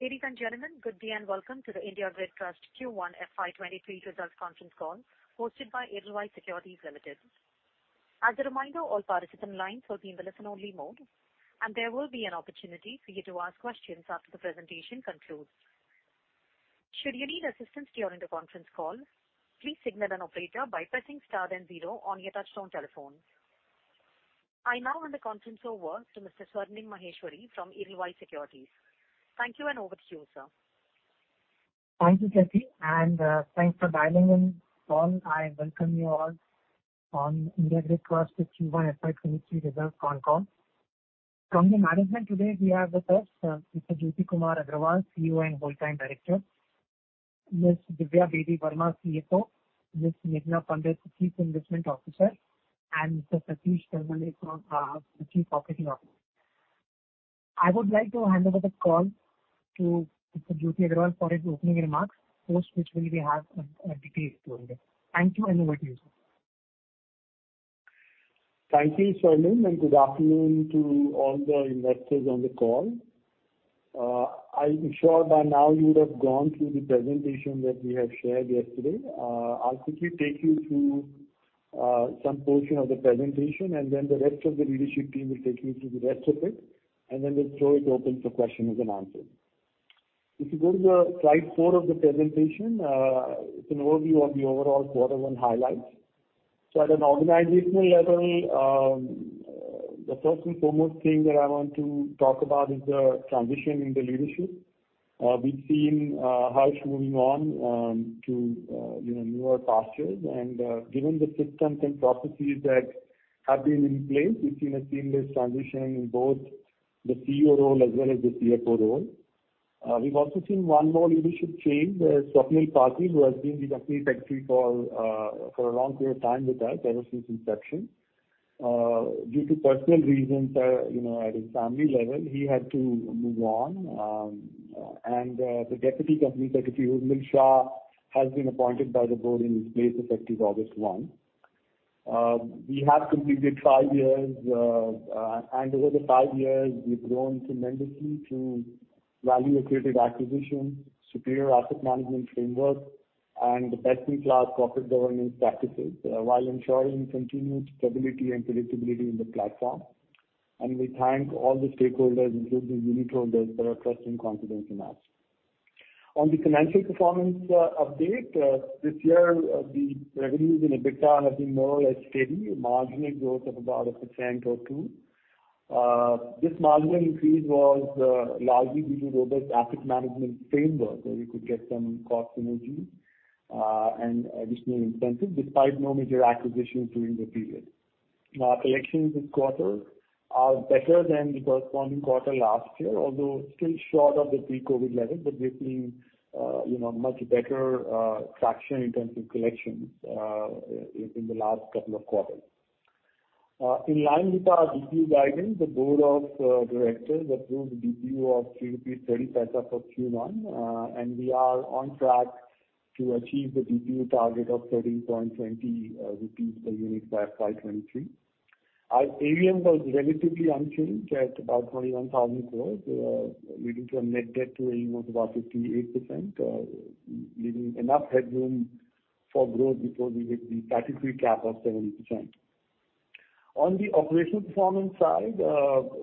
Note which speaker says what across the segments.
Speaker 1: Ladies and gentlemen, good day and welcome to the IndiGrid Infrastructure Trust Q1 FY23 results conference call hosted by Edelweiss Securities Limited. As a reminder, all participant lines will be in listen-only mode, and there will be an opportunity for you to ask questions after the presentation concludes. Should you need assistance during the conference call, please signal an operator by pressing star then zero on your touchtone telephone. I now hand the conference over to Mr. Swarnim Maheshwari from Edelweiss Securities. Thank you, and over to you, sir.
Speaker 2: Thank you, Kirti, and thanks for dialing in call. I welcome you all on IndiGrid Infrastructure Trust Q1 FY 2023 results con call. From the management today we have with us, Mr. Jyoti Kumar Agarwal, CEO and Whole-time Director, Ms. Divya Bedi Verma, CFO, Ms. Meghana Pandit, Chief Investment Officer, and Mr. Satish Talmale, Chief Operating Officer. I would like to hand over the call to Mr. Jyoti Kumar Agarwal for his opening remarks, post which we will have a detailed tour there. Thank you, and over to you, sir.
Speaker 3: Thank you, Swarnim, and good afternoon to all the investors on the call. I'm sure by now you would have gone through the presentation that we have shared yesterday. I'll quickly take you through some portion of the presentation, and then the rest of the leadership team will take you through the rest of it, and then we'll throw it open for questions and answers. If you go to the Slide four of the presentation, it's an overview of the overall quarter and highlights. At an organizational level, the first and foremost thing that I want to talk about is the transition in the leadership. We've seen Harsh moving on to you know, newer pastures. Given the systems and processes that have been in place, we've seen a seamless transition in both the CEO role as well as the CFO role. We've also seen one more leadership change, Swapnil Patil, who has been the company secretary for a long period of time with us, ever since inception. Due to personal reasons, you know, at his family level, he had to move on. The deputy company secretary, Urmil Shah, has been appointed by the board in his place effective August 1. We have completed five years, and over the five years, we've grown tremendously through value-accretive acquisition, superior asset management framework, and best-in-class corporate governance practices, while ensuring continued stability and predictability in the platform. We thank all the stakeholders, including unitholders, for their trust and confidence in us. On the financial performance update this year, the revenues and EBITDA have been more or less steady, a marginal growth of about 1% or 2%. This marginal increase was largely due to robust asset management framework, where we could get some cost synergies and additional incentives despite no major acquisitions during the period. Our collections this quarter are better than the corresponding quarter last year, although still short of the pre-COVID level. We've seen you know much better traction in terms of collections in the last couple of quarters. In line with our DPU guidance, the board of directors approved DPU of INR 3.30 for Q1. We are on track to achieve the DPU target of 13.20 rupees per unit by FY 2023. Our AUM was relatively unchanged at about 21,000 crore, leading to a net debt to AUM of about 58%, leaving enough headroom for growth before we hit the statutory cap of 70%. On the operational performance side,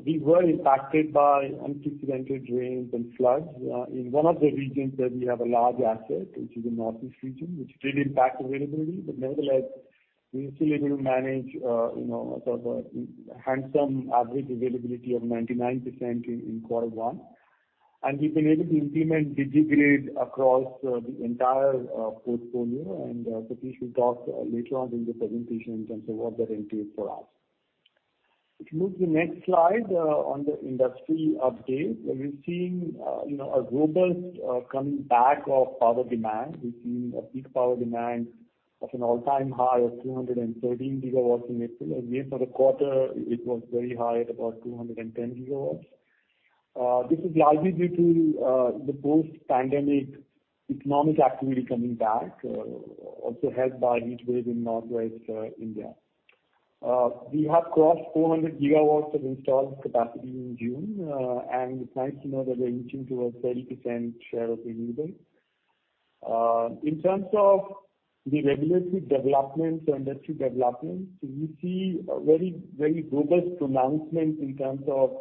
Speaker 3: we were impacted by unprecedented rains and floods in one of the regions where we have a large asset, which is the Northeast region, which did impact availability. Nevertheless, we were still able to manage you know sort of a handsome average availability of 99% in quarter one. We've been able to implement DigiGrid across the entire portfolio. Satish will talk later on in the presentation in terms of what that entails for us. If you move to the next slide, on the industry update, we're seeing, you know, a robust coming back of power demand. We're seeing a peak power demand of an all-time high of 213 gigawatts in April. Again, for the quarter, it was very high at about 210 gigawatts. This is largely due to the post-pandemic economic activity coming back, also helped by heat wave in northwest India. We have crossed 400 gigawatts of installed capacity in June, and it's nice to know that we're inching towards 30% share of renewable. In terms of the regulatory developments or industry developments, we see a very, very robust announcement in terms of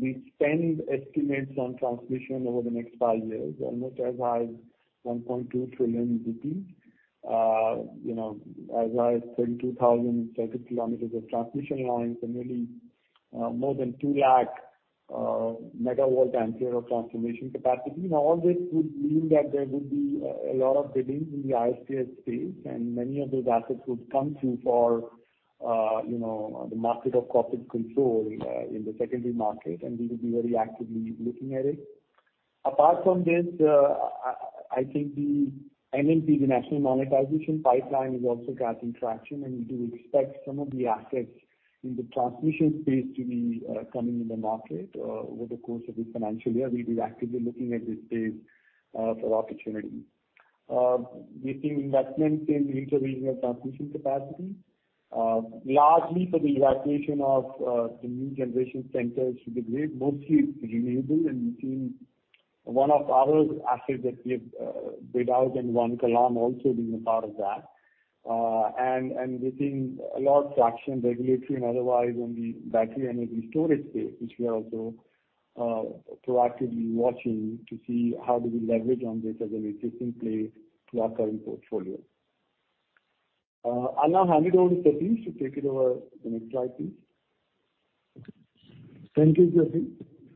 Speaker 3: the spend estimates on transmission over the next five years, almost as high as 1.2 trillion rupees. You know, as high as 32,000 circuit kilometers of transmission lines, and nearly more than 200,000 megavolt-ampere of transformation capacity. Now, all this would mean that there would be a lot of bidding in the ISTS space, and many of those assets would come through for you know the market of corporate control in the secondary market, and we would be very actively looking at it. Apart from this, I think the NMP, the National Monetization Pipeline, is also gaining traction, and we do expect some of the assets in the transmission space to be coming in the market over the course of this financial year. We'll be actively looking at this space for opportunity. We've seen investments in interregional transmission capacity, largely for the evacuation of the new generation centers to the grid, mostly renewable. We've seen one of our assets that we have bid out in Khargone also being a part of that. We're seeing a lot of action, regulatory and otherwise, on the battery energy storage space, which we are also proactively watching to see how do we leverage on this as a resilient play to our current portfolio. I'll now hand it over to Satish to take it over the next slide, please.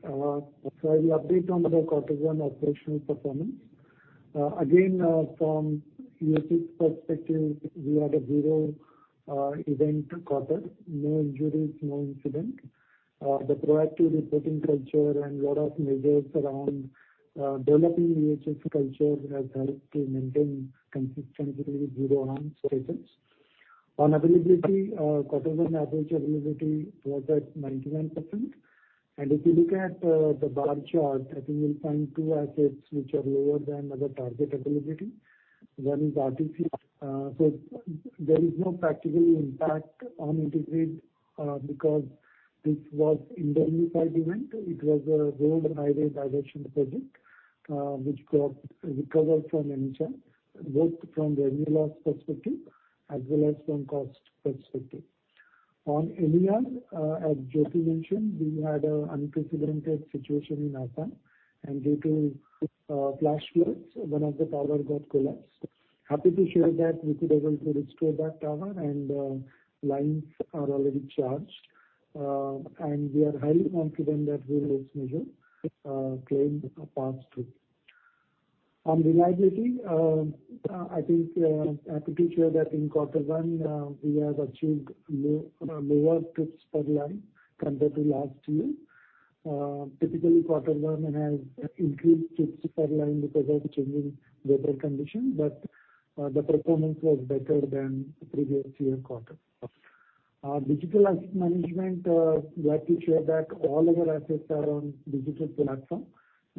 Speaker 4: Thank you, Jyoti. The update on the quarter one operational performance. Again, from EHS perspective, we had a zero event quarter. No injuries, no incident. The proactive reporting culture and lot of measures around developing EHS culture has helped to maintain consistently zero harm status. On availability, quarter one average availability was at 91%. If you look at the bar chart, I think you'll find two assets which are lower than the target availability. One is RTCL. There is no practical impact on IndiGrid because this was an identified event. It was a road and highway diversion project which got recovered from MSHR., both from revenue loss perspective as well as from cost perspective. On NER, as Jyoti mentioned, we had an unprecedented situation in Assam, and due to flash floods, one of the tower got collapsed. Happy to share that we could able to restore that tower and lines are already charged. We are highly confident that we will measure claim passed through. On reliability, I think happy to share that in quarter one, we have achieved lower trips per line compared to last year. Typically, quarter one has increased trips per line because of changing weather condition, but the performance was better than the previous year quarter. Digital asset management, glad to share that all our assets are on digital platform.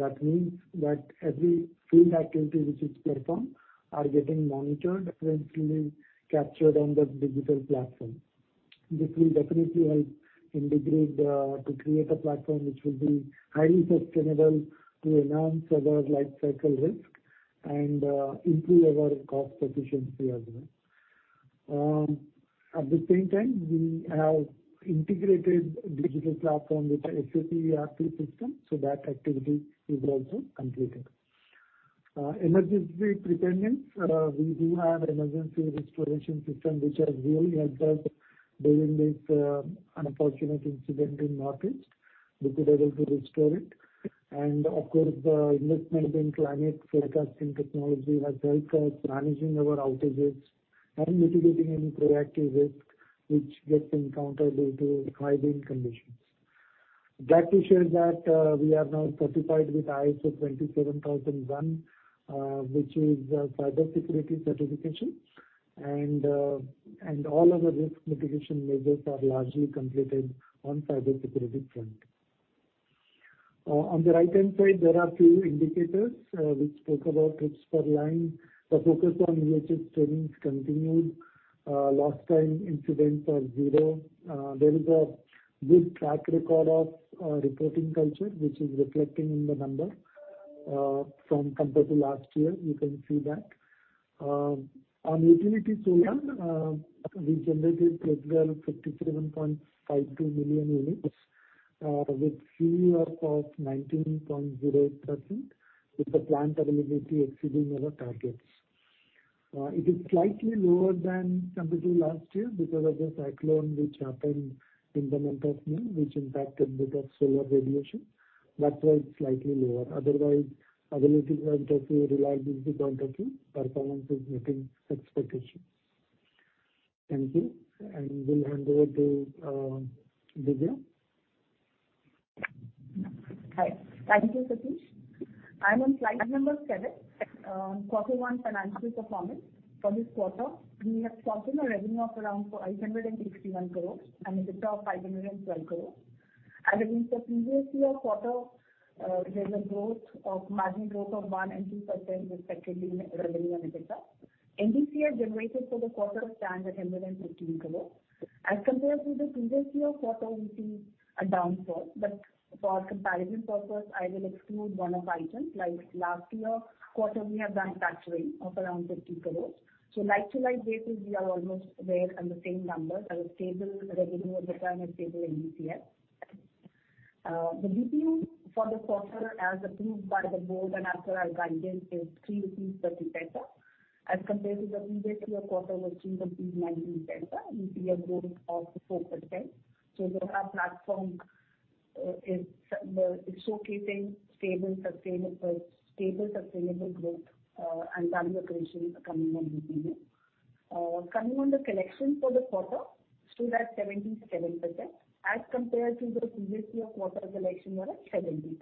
Speaker 4: That means that every field activity which is performed are getting monitored and clearly captured on the digital platform. This will definitely help IndiGrid to create a platform which will be highly sustainable to enhance our lifecycle risk and improve our cost efficiency as well. At the same time, we have integrated digital platform with our SAP system, so that activity is also completed. Emergency preparedness. We do have emergency restoration system which has really helped us during this unfortunate incident in Northeast. We were able to restore it. Of course, the investment in climate forecasting technology has helped us managing our outages and mitigating any potential risk which gets encountered due to adverse conditions. Glad to share that we are now certified with ISO 27001, which is a cybersecurity certification. All of our risk mitigation measures are largely completed on cybersecurity front. On the right-hand side, there are few indicators which spoke about trips per line. The focus on EHS trainings continued. Lost time incidents are zero. There is a good track record of reporting culture, which is reflecting in the numbers compared to last year, you can see that. On utility solar, we generated total 57.52 million units with CU of 19.08%, with the plant availability exceeding our targets. It is slightly lower compared to last year because of the cyclone which happened in the month of May, which impacted the solar radiation. That's why it's slightly lower. Otherwise, availability, reliability, performance is meeting expectations. Thank you. Will hand over to Divya.
Speaker 5: Hi. Thank you, Satish. I'm on Slide seven. Quarter one financial performance. For this quarter, we have gotten a revenue of around 561 crores and EBITDA of 512 crores. As against the previous year quarter, there's a margin growth of 1% and 2% respectively in revenue and EBITDA. NDCF generated for the quarter stands at 115 crores. As compared to the previous year quarter, we see a downfall. For comparison purpose, I will exclude one-off items like last year quarter we have done tax waiver of around 50 crores. Like to like basis, we are almost there on the same numbers, a stable revenue and a stable NDCF. The DPU for the quarter as approved by the board and after our guidance is 3.30 rupees as compared to the previous year quarter which was 0.19 rupees, EBITDA growth of 4%. The platform is showcasing stable, sustainable growth and value creation commenting on DPU. Commenting on the collection for the quarter stood at 77% as compared to the previous year quarter collection was at 70%.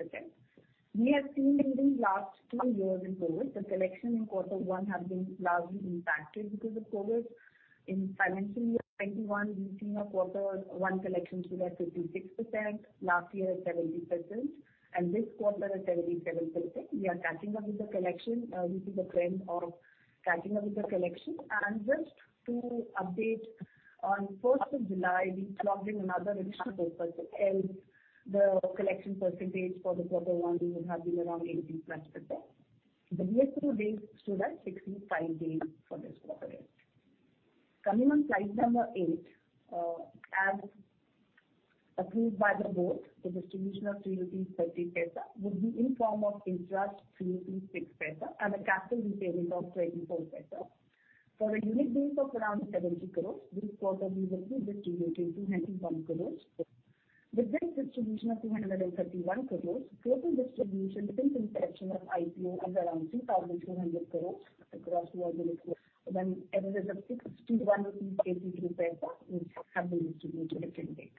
Speaker 5: We have seen during last two years in COVID, the collection in quarter one have been largely impacted because of COVID. In financial year 2021, we've seen a quarter one collection stood at 56%, last year 70%, and this quarter at 77%. We are catching up with the collection, which is a trend of catching up with the collection. Just to update, on the first of July, we plugged in another additional day. Otherwise the collection percentage for quarter one would have been around 80%+. The DSO days stood at 65 days for this quarter. Coming on Slide number eight. As approved by the board, the distribution of rupees 3.30 would be in the form of interest, rupees 3.06 and a capital repayment of 0.24. For approx. 70 crore units this quarter we will be distributing 201 crores. With this distribution of 231 crores, total distribution since inception of IPO is around 2,200 crores across 400 crore units, equivalent of INR 61.82 which have been distributed till date.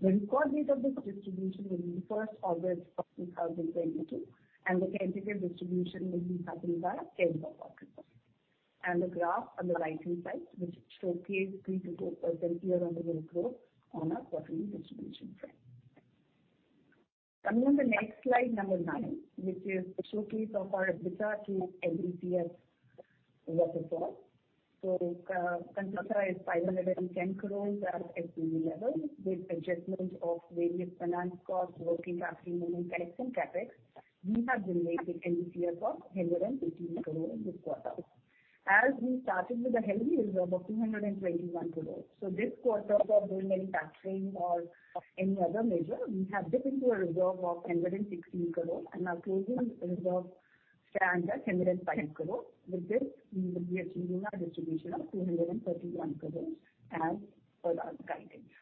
Speaker 5: The record date of this distribution will be August 1, 2022, and the tentative distribution will be happening via KDPP. The graph on the right-hand side which showcases 3%-4% year-on-year growth on our quarterly distribution trend. Coming on the next slide, number nine, which is the showcase of our EBITDA to NDCF ratio. Consensus is 510 crore at EBITDA level with adjustments of various finance costs, working capital, maintenance CapEx. We have generated NDCF of 118 crore in this quarter. As we started with a healthy reserve of 221 crore. This quarter without doing any factoring or any other measure, we have dipped into a reserve of 116 crore, and our closing reserve stands at 105 crore. With this we will be achieving our distribution of 231 crore as per our guidance.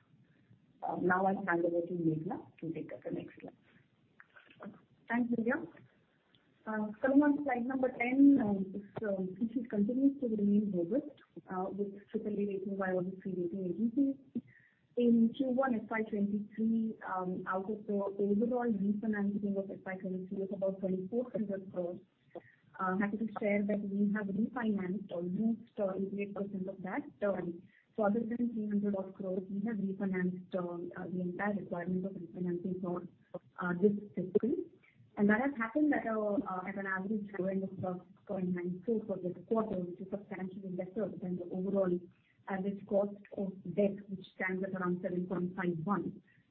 Speaker 5: Now I'll hand over to Meghana to take up the next slide.
Speaker 6: Thanks, Divya. Coming on to Slide number 10. This which continues to remain robust, with AAA rating by all three rating agencies. In Q1 FY 2023, out of the overall refinancing of FY 2022 is about 3,400 crore. Happy to share that we have refinanced or raised, 88% of that term. Other than 300-odd crore, we have refinanced, the entire requirement of refinancing for, this fiscal. That has happened at an average borrowing of about 0.94 for this quarter, which is substantially better than the overall average cost of debt, which stands at around 7.51.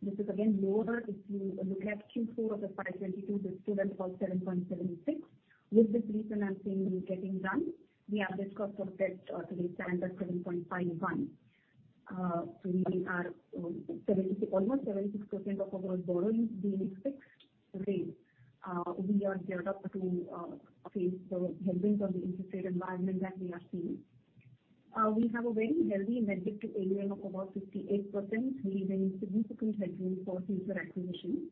Speaker 6: This is again lower if you look at Q4 of FY 2022, this stood at about 7.76. With this refinancing we're getting done, the average cost of debt today stands at 7.51. So we are almost 76% of overall borrowings being fixed rate. We are geared up to face the headwinds of the interest rate environment that we are seeing. We have a very healthy net debt to EBITDA of about 58%, leaving significant headroom for future acquisitions.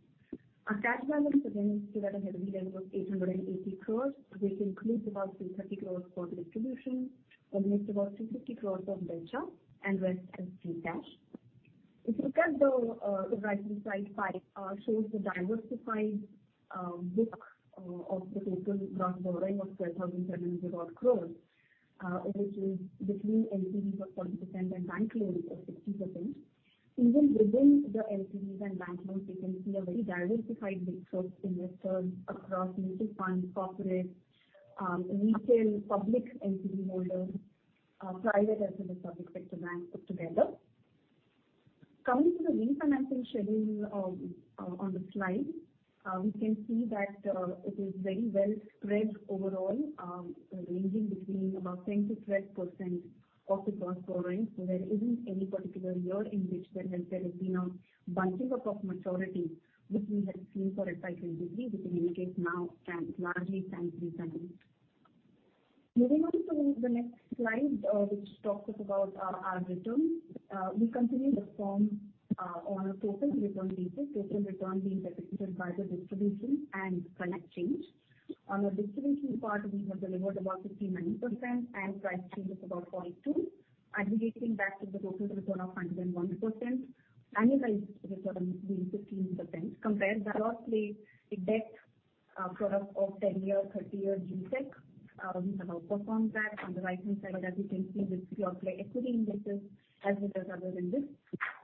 Speaker 6: Our cash balance again stood at a healthy level of 880 crores. This includes about 230 crores for distribution and leaves about 260 crores of debt swap and rest as free cash. If you look at the right-hand side pie, shows the diversified book of the total gross borrowing of 12,700-odd crores, which is between NCD of 40% and bank loans of 60%. Even within the NCDs and bank loans, you can see a very diversified mix of investors across mutual funds, corporate, retail, public entity holders, private as well as public sector banks put together. Coming to the refinancing schedule on the slide. We can see that it is very well spread overall, ranging between about 10%-12% of the gross borrowings. There isn't any particular year in which there has been a bunching up of maturities which we had seen for FY 2023, which now stands largely refinanced. Moving on to the next slide, which talks about our return. We continue to perform on a total return basis. Total return being represented by the distribution and price change. On the distribution part, we have delivered about 59% and price change is about 0.2. Aggregating that to the total return of 101%. Annualized return being 15% compared to a broad debt product of 10-year, 30-year G-Sec. We have outperformed that. On the right-hand side as you can see with pure play equity indices as well as other indices,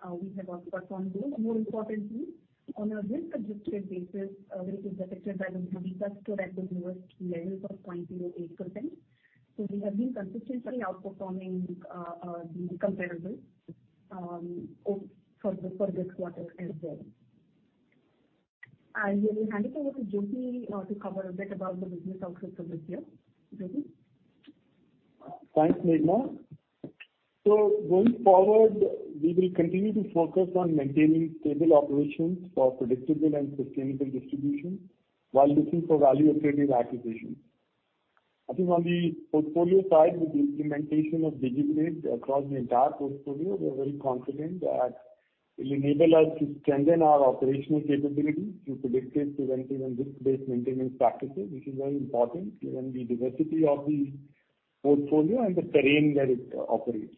Speaker 6: we have outperformed those. More importantly, on a risk-adjusted basis, which is depicted by the beta stood at the lowest levels of 0.08%. We have been consistently outperforming the comparables for this quarter as well. Here we hand it over to Jyoti to cover a bit about the business outlook for this year. Jyoti.
Speaker 3: Thanks, Meghana. Going forward, we will continue to focus on maintaining stable operations for predictable and sustainable distribution while looking for value accretive acquisitions. I think on the portfolio side, with the implementation of DigiGrid across the entire portfolio, we are very confident that it will enable us to strengthen our operational capabilities through predictive, preventive and risk-based maintenance practices, which is very important given the diversity of the portfolio and the terrain that it operates.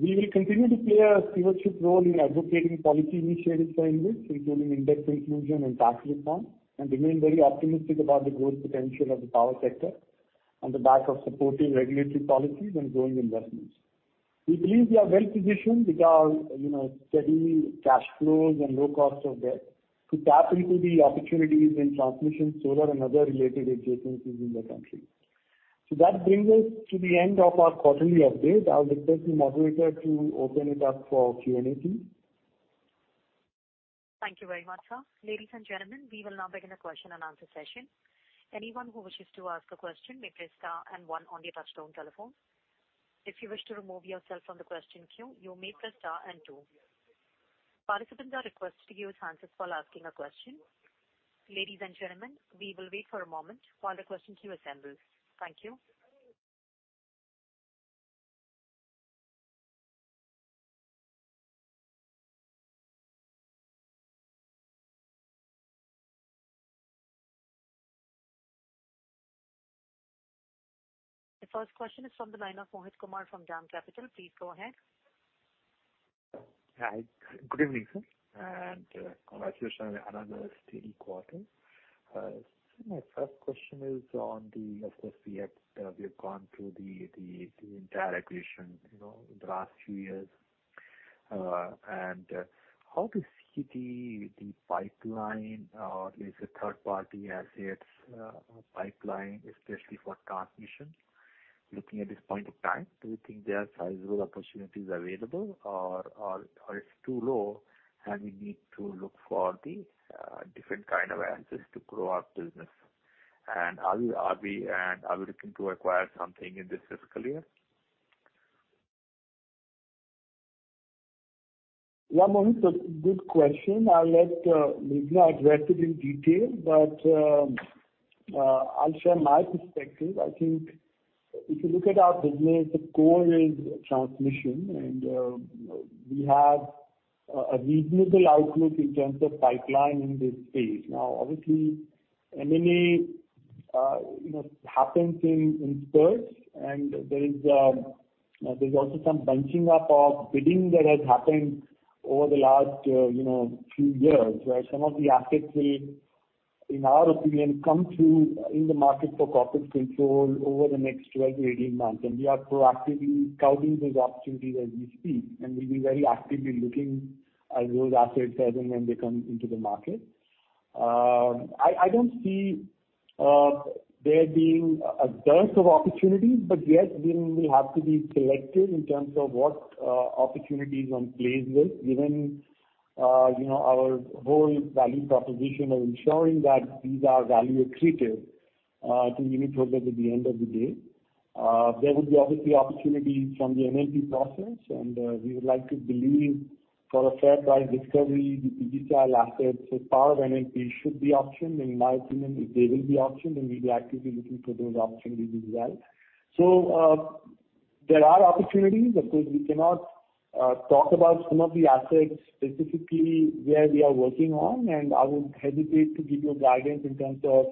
Speaker 3: We will continue to play a stewardship role in advocating policy initiatives for industry, including index inclusion and tax reform, and remain very optimistic about the growth potential of the power sector on the back of supportive regulatory policies and growing investments. We believe we are well-positioned because, you know, steady cash flows and low cost of debt to tap into the opportunities in transmission, solar, and other related adjacencies in the country. That brings us to the end of our quarterly update. I would request the moderator to open it up for Q&A, please.
Speaker 1: Thank you very much, sir. Ladies and gentlemen, we will now begin the question-and-answer session. Anyone who wishes to ask a question may press star and one on your touchtone telephone. If you wish to remove yourself from the question queue, you may press star and two. Participants are requested to give their name while asking a question. Ladies and gentlemen, we will wait for a moment while the question queue assembles. Thank you. The first question is from the line of Mohit Kumar from DAM Capital. Please go ahead.
Speaker 7: Hi. Good evening, sir, and congratulations on another steady quarter. Of course, we have gone through the entire acquisition, you know, the last few years. How do you see the pipeline, let's say third-party assets pipeline, especially for transmission? Looking at this point of time, do you think there are sizable opportunities available or it's too low, and we need to look for the different kind of assets to grow our business? Are we looking to acquire something in this fiscal year?
Speaker 3: Yeah, Mohit, a good question. I'll let Meghana address it in detail, but I'll share my perspective. I think if you look at our business, the core is transmission and we have a reasonable outlook in terms of pipeline in this space. Now, obviously, M&A you know happens in spurts. There's also some bunching up of bidding that has happened over the last you know few years, where some of the assets will, in our opinion, come through in the market for corporate control over the next 12-18 months. We are proactively scouting those opportunities as we speak. We'll be very actively looking at those assets as and when they come into the market. I don't see there being a dearth of opportunities, but yet we will have to be selective in terms of what opportunities one plays with, given you know, our whole value proposition of ensuring that these are value accretive to InvIT at the end of the day. There would be obviously opportunities from the NMP process. We would like to believe for a fair price discovery, the PGCIL assets as part of NMP should be auctioned. In my opinion, they will be auctioned, and we'll be actively looking for those opportunities as well. There are opportunities. Of course, we cannot talk about some of the assets specifically where we are working on, and I would hesitate to give you guidance in terms of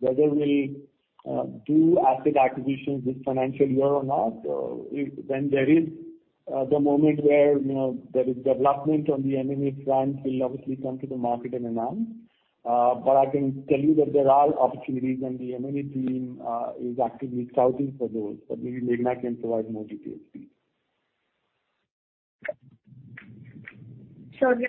Speaker 3: whether we'll do asset acquisitions this financial year or not. When there is the moment where, you know, there is development on the M&A front, we'll obviously come to the market and announce. I can tell you that there are opportunities and the M&A team is actively scouting for those. Maybe Meghana can provide more details please.
Speaker 6: Sure, yeah.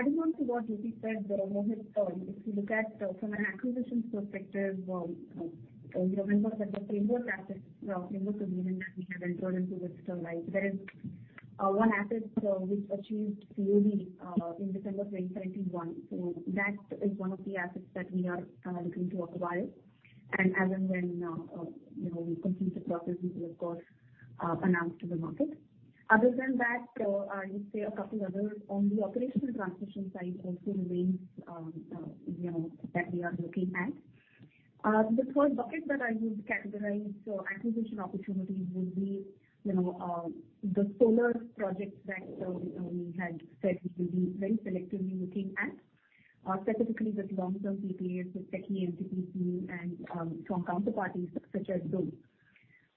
Speaker 6: Adding on to what Jyoti said there, Mohit, if you look at from an acquisitions perspective, you remember that the Framework assets, Framework agreement that we have entered into with Sterlite, there is one asset which achieved COD in December 2021. That is one of the assets that we are looking to acquire. As and when you know we complete the process, we will of course announce to the market. Other than that, I would say a couple other on the operational transmission side also remains you know that we are looking at. The third bucket that I would categorize acquisition opportunities would be, you know, the solar projects that we had said we will be very selectively looking at, specifically with long-term PPAs with SECI NTPC and from counterparties such as those.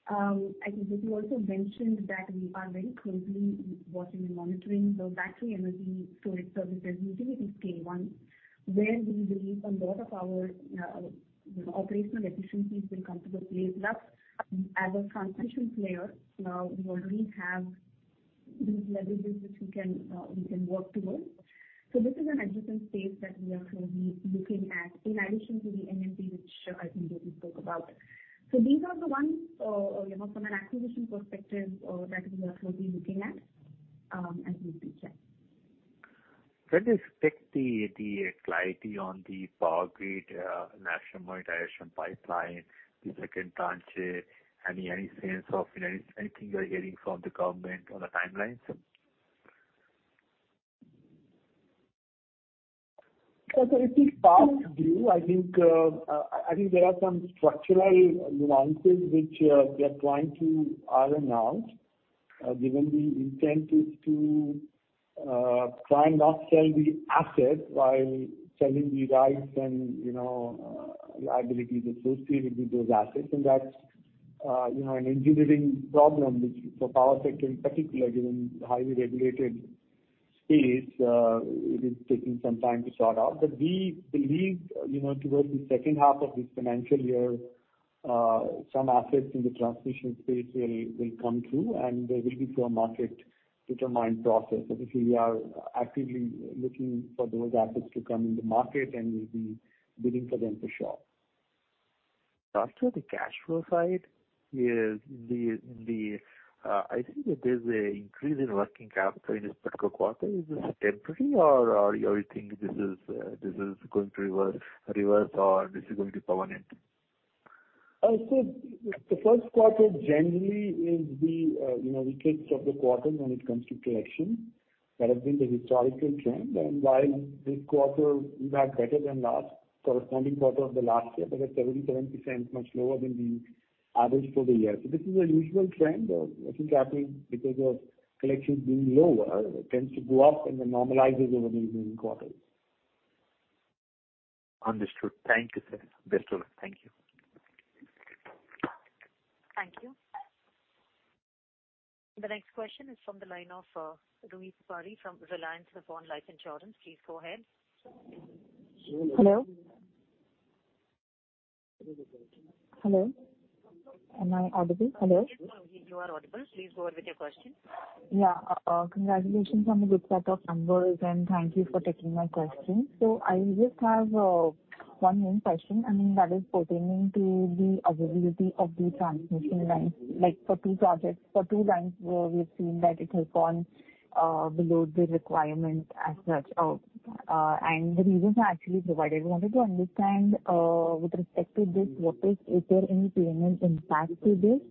Speaker 6: I think JP also mentioned that we are very closely watching and monitoring the battery energy storage systems utility-scale ones, where we believe a lot of our, you know, operational efficiencies will come to play plus as a transmission player, we already have these leverages which we can work towards. This is an adjacent space that we are closely looking at in addition to the NMP, which I think Joyit spoke about. These are the ones, you know, from an acquisition perspective, that we are closely looking at, as we speak, yeah.
Speaker 7: Where does fit the clarity on the power grid National Monetization Pipeline, the second tranche? Any sense of, you know, anything you are hearing from the government on the timelines?
Speaker 3: I think power is due. I think there are some structural nuances which we are trying to iron out, given the intent is to try and not sell the assets while selling the rights and, you know, the availability associated with those assets. That's, you know, an engineering problem which for power sector in particular, given the highly regulated space, it is taking some time to sort out. We believe, you know, towards the second half of this financial year, some assets in the transmission space will come through and there will be a market-determined process. If we are actively looking for those assets to come in the market, then we'll be bidding for them for sure.
Speaker 7: After the cash flow side, I think that there's an increase in working capital in this particular quarter. Is this temporary, or do you think this is going to reverse, or is this going to be permanent?
Speaker 3: I said the first quarter generally is the weakest of the quarters when it comes to collection. That has been the historical trend. While this quarter we were better than last corresponding quarter of the last year, but at 77% much lower than the average for the year. This is a usual trend of working capital because of collections being lower, it tends to go up and then normalizes over the remaining quarters.
Speaker 7: Understood. Thank you, sir. Best of luck. Thank you.
Speaker 1: Thank you. The next question is from the line of Ritesh Parikh from Reliance Nippon Life Insurance. Please go ahead.
Speaker 8: Hello? Hello, am I audible? Hello.
Speaker 1: Yes, ma'am. You are audible. Please go on with your question.
Speaker 8: Yeah. Congratulations on the good set of numbers, and thank you for taking my question. I just have one main question, I mean, that is pertaining to the availability of the transmission lines, like for two projects. For two lines, we've seen that it has gone below the requirement as such. The reasons are actually provided. We wanted to understand, with respect to this, is there any P&L impact to this?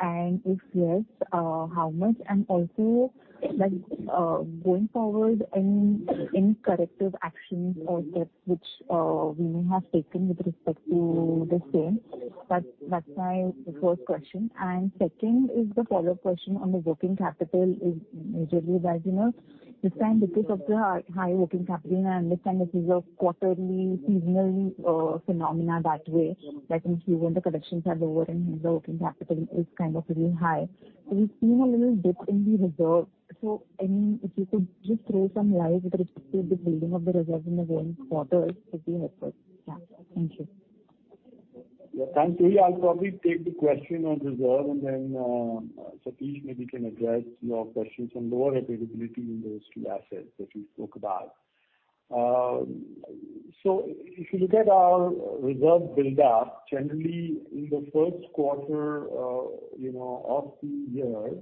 Speaker 8: And if yes, how much? And also like, going forward, any corrective actions or steps which we may have taken with respect to the same. That's my first question. Second is the follow-up question on the working capital is majorly that, you know, this time because of the high working capital, I understand that this is a quarterly seasonal phenomena that way that usually when the collections are lower and hence the working capital is kind of really high. We've seen a little dip in the reserve. So, I mean, if you could just throw some light with respect to the building of the reserve in the remaining quarters would be helpful. Yeah. Thank you.
Speaker 3: Yeah, thanks. Yeah, I'll probably take the question on reserve and then, Satish maybe can address your questions on lower availability in those two assets that we spoke about. If you look at our reserve build up, generally in the first quarter, you know, of the year,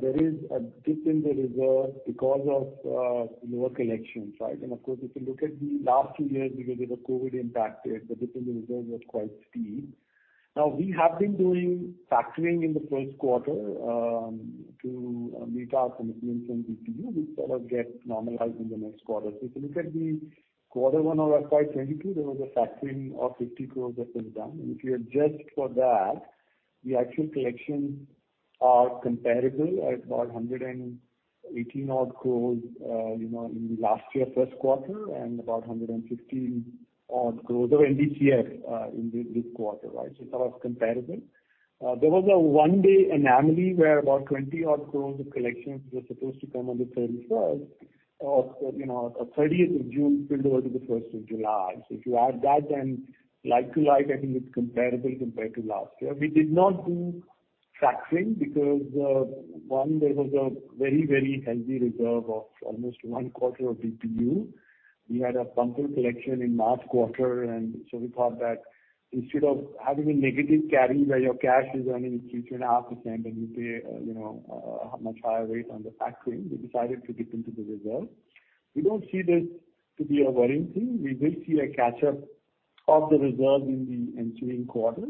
Speaker 3: there is a dip in the reserve because of, lower collections, right? Of course, if you look at the last two years because of the COVID impact there, the dip in the reserves was quite steep. Now we have been doing factoring in the first quarter, to meet our commitments on DPU, which sort of gets normalized in the next quarter. If you look at the quarter one of FY 2022, there was a factoring of 50 crore that was done. If you adjust for that, the actual collections are comparable at about 180 odd crores in last year first quarter and about 115 odd crores of NDCF in this quarter, right? It's all comparable. There was a one day anomaly where about 20 odd crores of collections were supposed to come on the thirtieth of June spilled over to the first of July. If you add that then like to like, I think it's comparable compared to last year. We did not do factoring because one, there was a very healthy reserve of almost one quarter of DPU. We had a bumper collection in March quarter, and so we thought that instead of having a negative carry where your cash is earning at 3%-3.5% and you pay, you know, much higher rate on the factoring, we decided to dip into the reserve. We don't see this to be a worrying thing. We will see a catch up of the reserve in the ensuing quarters,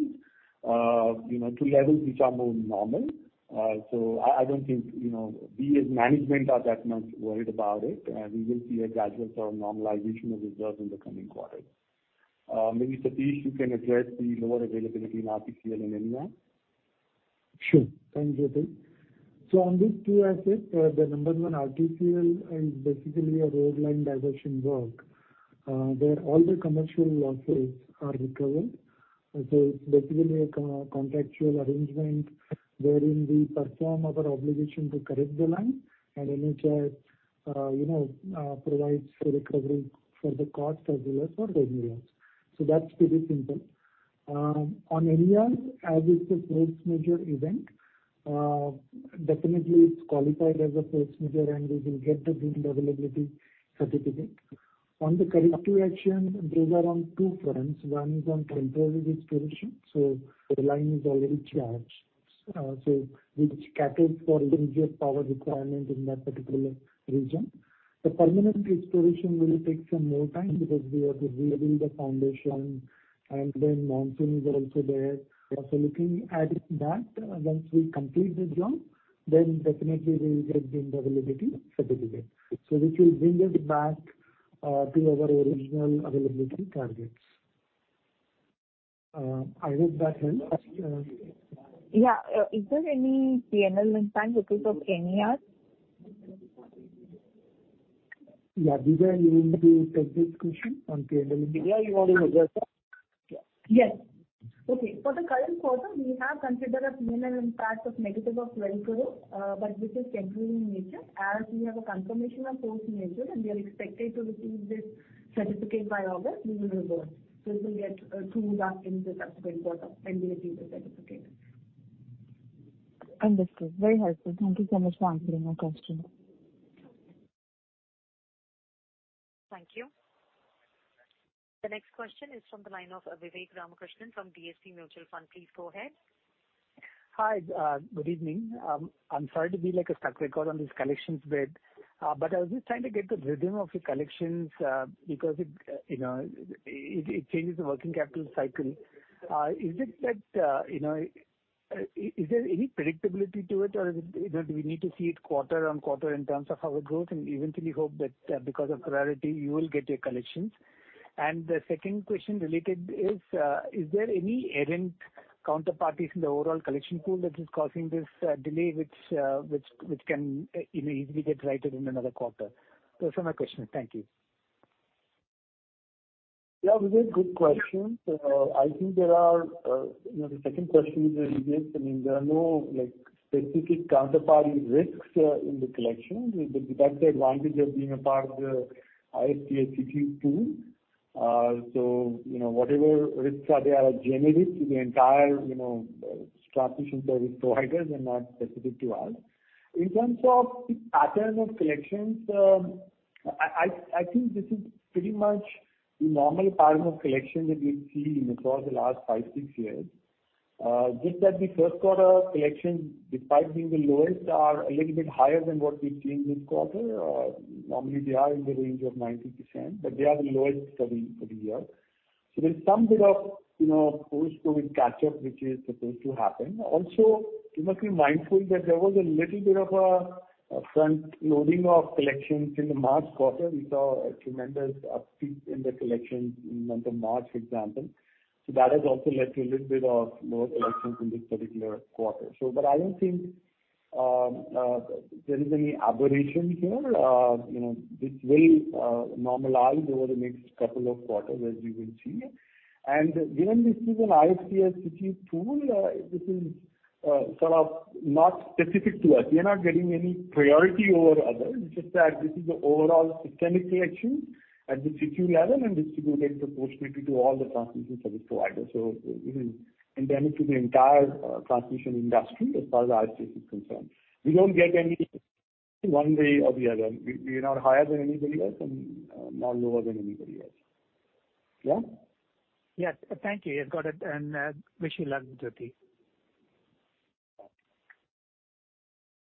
Speaker 3: you know, to levels which are more normal. I don't think, you know, we as management are that much worried about it. We will see a gradual sort of normalization of reserves in the coming quarters. Maybe Satish you can address the lower availability in RTCL and ENCIL.
Speaker 4: Sure. Thanks, Jyot. On these two assets, the number one RTCL is basically a road line diversion work, where all the commercial losses are recovered. It's basically a contractual arrangement wherein we perform our obligation to correct the line and NHAI, you know, provides for recovery for the cost as well as for revenue loss. That's pretty simple. On Eraniel, as it's a force majeure event, definitely it's qualified as a force majeure and we will get the grid availability certificate. On the corrective action, those are on two fronts. One is on temporary restoration, so the line is already charged. Which caters for immediate power requirement in that particular region. The permanent restoration will take some more time because we have to rebuild the foundation and then monsoons are also there. Looking at that, once we complete this job then definitely we will get the availability certificate. This will bring us back to our original availability targets.
Speaker 3: I hope that helps.
Speaker 9: Yeah. Is there any P&L impact because of any hours?
Speaker 3: Yeah. Divya, you want to take this question on P&L? Or do you want to address that?
Speaker 5: Yes. Okay. For the current quarter, we have considered a P&L impact of negative 12 crore, but which is temporary in nature. As we have a confirmation of post measure, and we are expected to receive this certificate by August, we will reverse. This will get 2 lakh in the subsequent quarter when we achieve the certificate.
Speaker 8: Understood. Very helpful. Thank you so much for answering my question.
Speaker 1: Thank you. The next question is from the line of Vivek Ramakrishnan from DSP Mutual Fund. Please go ahead.
Speaker 10: Hi. Good evening. I'm sorry to be like a stuck record on this collections bit. But I was just trying to get the rhythm of your collections because it you know it changes the working capital cycle. Is there any predictability to it or is it you know do we need to see it quarter on quarter in terms of how it grows and eventually hope that because of rarity you will get your collections? The second question related is is there any errant counterparties in the overall collection pool that is causing this delay which which can you know easily get righted in another quarter? Those are my questions. Thank you.
Speaker 3: Yeah. Those are good questions. I think, you know, the second question is related. I mean, there are no, like, specific counterparty risks in the collections. We got the advantage of being a part of the IFSCG tool. So, you know, whatever risks are there are generic to the entire, you know, transmission service providers and not specific to us. In terms of the patterns of collections, I think this is pretty much the normal pattern of collection that we've seen across the last five-six years. Just that the first quarter collections, despite being the lowest, are a little bit higher than what we've seen this quarter. Normally they are in the range of 90%, but they are the lowest for the year. There's some bit of, you know, post-COVID catch-up which is supposed to happen. Also, you must be mindful that there was a little bit of a frontloading of collections in the March quarter. We saw a tremendous uptick in the collections in the month of March, for example. That has also led to a little bit of lower collections in this particular quarter. But I don't think there is any aberration here. You know, this will normalize over the next couple of quarters, as you will see. Given this is an IFSCG tool, this is sort of not specific to us. We are not getting any priority over others. It's just that this is the overall systemic collection at the CTUIL and distributed proportionately to all the transmission service providers. This is endemic to the entire transmission industry as far as ISTS is concerned. We don't get any one way or the other. We are not higher than anybody else and not lower than anybody else. Yeah?
Speaker 10: Yes. Thank you. Yes, got it. Wish you luck with your team.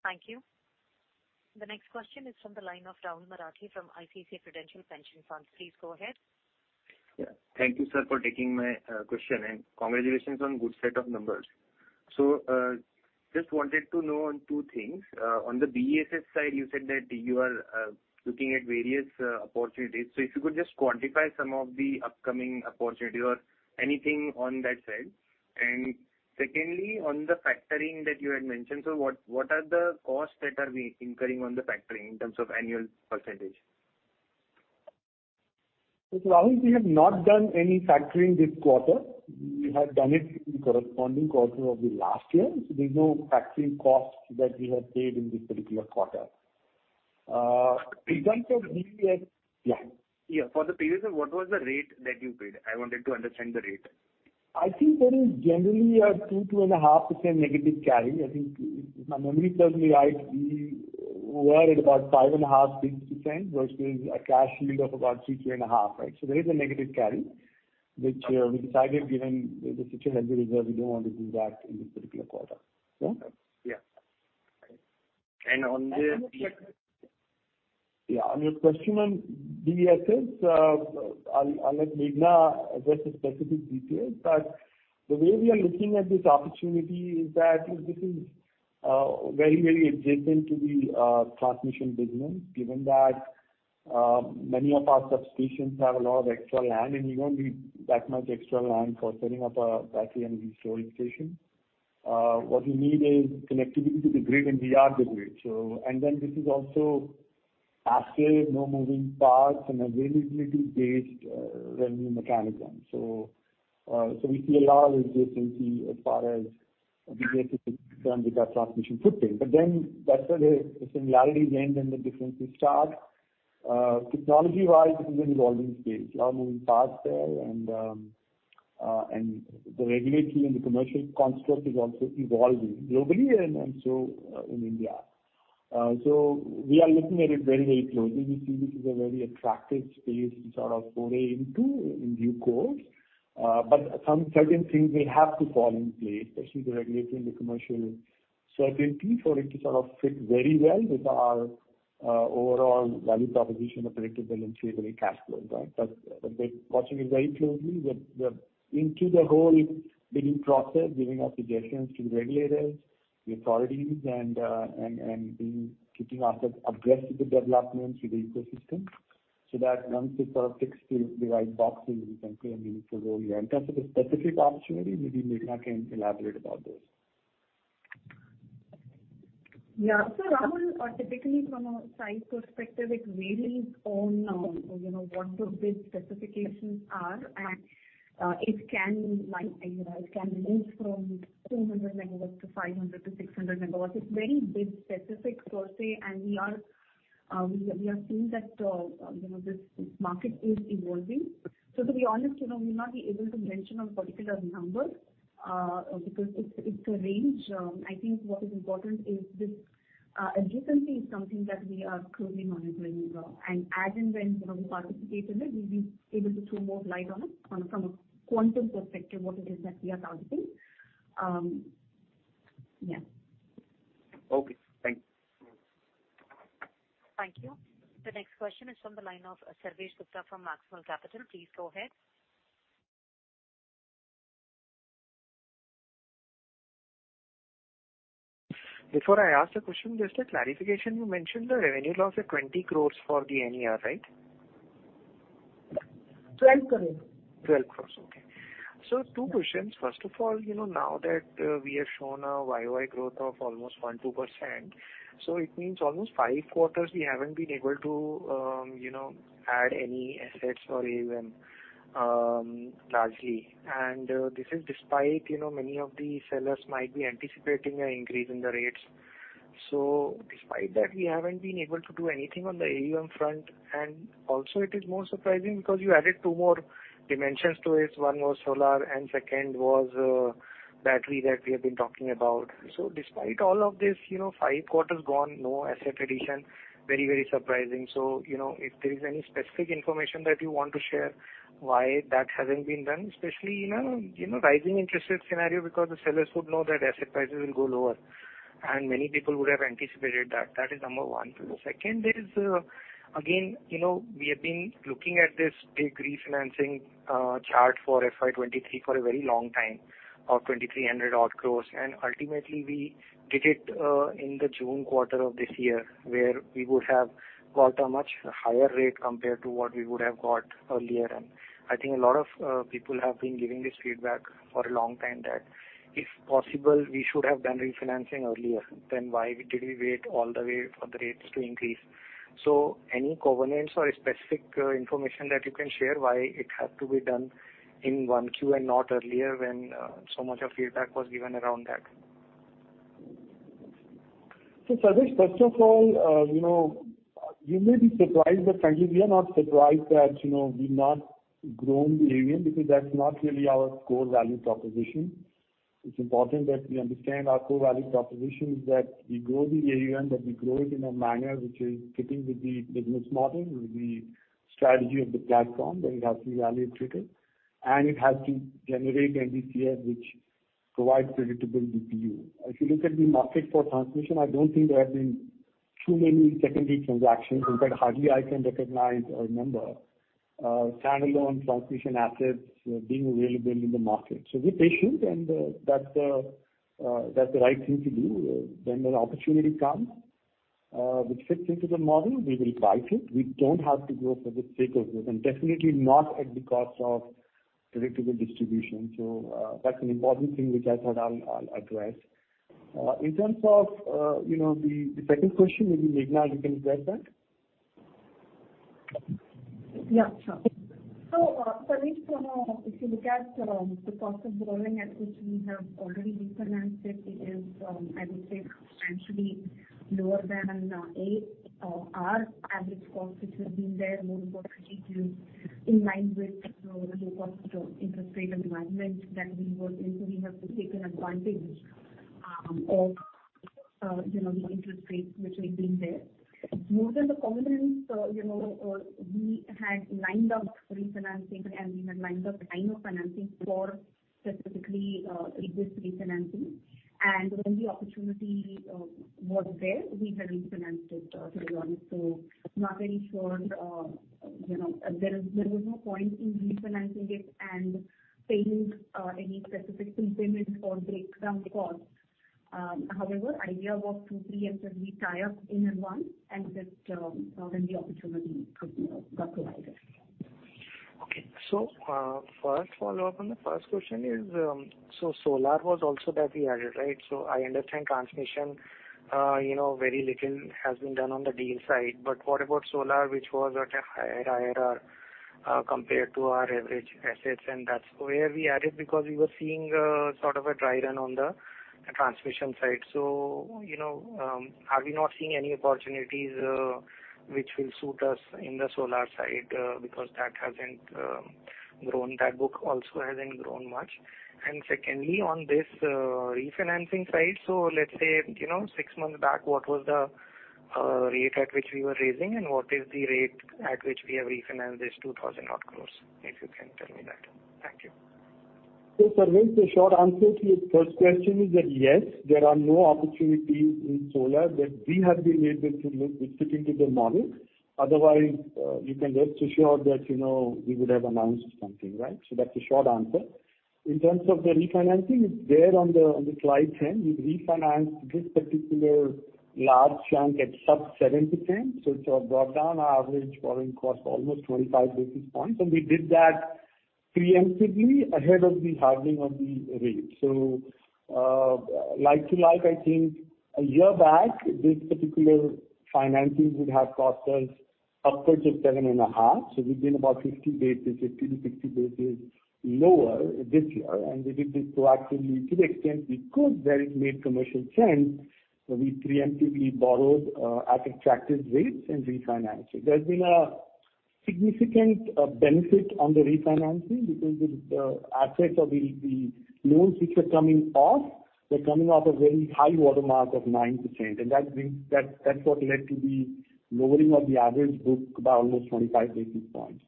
Speaker 1: Thank you. The next question is from the line of Rahul Marathe from ICICI Prudential Pension Funds. Please go ahead.
Speaker 11: Yeah. Thank you, sir, for taking my question, and congratulations on good set of numbers. Just wanted to know on two things. On the BESS side, you said that you are looking at various opportunities. If you could just quantify some of the upcoming opportunity or anything on that side. Secondly, on the factoring that you had mentioned, what are the costs that are being incurring on the factoring in terms of annual percentage?
Speaker 3: Rahul, we have not done any factoring this quarter. We had done it in corresponding quarter of the last year. There's no factoring costs that we have paid in this particular quarter. In terms of BESS, yeah.
Speaker 11: Yeah. For the previous year, what was the rate that you paid? I wanted to understand the rate.
Speaker 3: I think that is generally a 2%-2.5% negative carry. I think if my memory serves me right, we were at about 5.5%-6% versus a cash yield of about 6%-6.5%, right? There is a negative carry which we decided given the such a healthy reserve, we don't want to do that in this particular quarter. Yeah.
Speaker 11: Yeah. On the-
Speaker 3: Yeah. On your question on BESS, I'll let Meghana address the specific details, but the way we are looking at this opportunity is that this is very, very adjacent to the transmission business, given that many of our substations have a lot of extra land and you don't need that much extra land for setting up a battery energy storage station. What you need is connectivity to the grid, and we are the grid. This is also asset, no moving parts and availability-based revenue mechanism. We see a lot of adjacency as far as BESS is concerned with our transmission footprint. That's where the similarities end and the differences start. Technology-wise, this is an evolving space. A lot of moving parts there and the regulatory and the commercial construct is also evolving globally and so in India. We are looking at it very, very closely. We see this is a very attractive space to sort of foray into in due course. Some certain things will have to fall in place, especially the regulatory and the commercial certainty for it to sort of fit very well with our overall value proposition of predictable and savory cash flows, right? We're watching it very closely. We're into the whole bidding process, giving our suggestions to the regulators, the authorities, and keeping ourselves abreast with the developments with the ecosystem. That once it sort of fits the right box, we can play a meaningful role here. In terms of the specific opportunity, maybe Meghana can elaborate about this.
Speaker 6: Yeah. Rahul, typically from a size perspective, it varies on, you know, what the bid specifications are. It can like, you know, it can range from 200 MW to 500 MW-600 MW. It's very bid specific per se, and we are seeing that, you know, this market is evolving. To be honest, you know, we'll not be able to mention a particular number, because it's a range. I think what is important is this adjacency is something that we are closely monitoring as well. As and when, you know, we participate in it, we'll be able to throw more light on it from a quantum perspective, what it is that we are targeting. Yeah.
Speaker 11: Okay, thank you.
Speaker 1: Thank you. The next question is from the line of Sarvesh Gupta from Maximal Capital. Please go ahead.
Speaker 12: Before I ask the question, just a clarification. You mentioned the revenue loss of 20 crore for the NER, right?
Speaker 5: 12 crores.
Speaker 12: 12 crore, okay. Two questions. First of all, you know, now that we have shown a YoY growth of almost 12%, it means almost five quarters we haven't been able to, you know, add any assets or AUM, largely. This is despite, you know, many of the sellers might be anticipating an increase in the rates. Despite that, we haven't been able to do anything on the AUM front. Also it is more surprising because you added two more dimensions to it. One was solar and second was battery that we have been talking about. Despite all of this, you know, five quarters gone, no asset addition, very, very surprising. You know, if there is any specific information that you want to share, why that hasn't been done, especially in a, you know, rising interest rate scenario because the sellers would know that asset prices will go lower and many people would have anticipated that. That is number one. The second is, again, you know, we have been looking at this big refinancing chart for FY 2023 for a very long time of 2,300 odd crores. Ultimately we did it in the June quarter of this year, where we would have got a much higher rate compared to what we would have got earlier. I think a lot of people have been giving this feedback for a long time that if possible we should have done refinancing earlier, then why did we wait all the way for the rates to increase? Any covenants or specific information that you can share why it had to be done in one Q and not earlier when so much of feedback was given around that?
Speaker 3: Sarvesh, first of all, you know, you may be surprised, but frankly we are not surprised that, you know, we've not grown the AUM because that's not really our core value proposition. It's important that we understand our core value proposition is that we grow the AUM, but we grow it in a manner which is fitting with the business model, with the strategy of the platform, that it has to be value accretive, and it has to generate NDCF, which provides predictable DPU. If you look at the market for transmission, I don't think there have been too many secondary transactions. In fact, hardly I can recognize or remember, standalone transmission assets, being available in the market. We're patient and, that's the right thing to do. When the opportunity comes, which fits into the model, we will buy it. We don't have to grow for the sake of growth, and definitely not at the cost of predictable distribution. That's an important thing which I thought I'll address. In terms of, you know, the second question, maybe Meghana you can address that.
Speaker 6: Yeah, sure. Sarvesh, you know, if you look at the cost of borrowing, which we have already refinanced, it is I would say substantially lower than 8% or our average cost, which has been there. More importantly, in line with the low-cost interest rate environment that we work in. We have taken advantage of, you know, the interest rates which have been there. More than the covenants, you know, we had lined up refinancing and we had lined up a line of financing specifically for this refinancing. When the opportunity was there, we had refinanced it through August. Not very sure, you know, there was no point in refinancing it and paying any specific prepayment or breakage cost. However, idea was to preempt that we tie up in advance and that, when the opportunity, you know, got provided.
Speaker 12: Okay. First follow-up on the first question is, so solar was also that we added, right? I understand transmission, you know, very little has been done on the deal side. But what about solar, which was at a higher IRR, compared to our average assets? And that's where we added because we were seeing, sort of a dry run on the transmission side. You know, are we not seeing any opportunities, which will suit us in the solar side? Because that hasn't grown, that book also hasn't grown much. Secondly, on this refinancing side, so let's say, you know, six months back, what was the rate at which we were raising and what is the rate at which we have refinanced this 2,000-odd crores, if you can tell me that. Thank you.
Speaker 3: Sarvesh, the short answer to your first question is that, yes, there are no opportunities in solar that we have been able to look which fit into the model. Otherwise, you can rest assured that, you know, we would have announced something, right? That's the short answer. In terms of the refinancing, it's there on the Slide 10. We refinanced this particular large chunk at sub 70%, so it's brought down our average borrowing cost almost 25 basis points. We did that preemptively ahead of the hardening of the rates. Like to like, I think a year back, this particular financing would have cost us upwards of 7.5. We've been about 50 basis, 50-60 basis lower this year. We did this proactively to the extent we could, where it made commercial sense, so we preemptively borrowed at attractive rates and refinanced it. There's been a significant benefit on the refinancing because of the assets or the loans which are coming off. They're coming off a very high water mark of 9%, and that's what led to the lowering of the average book by almost 25 basis points.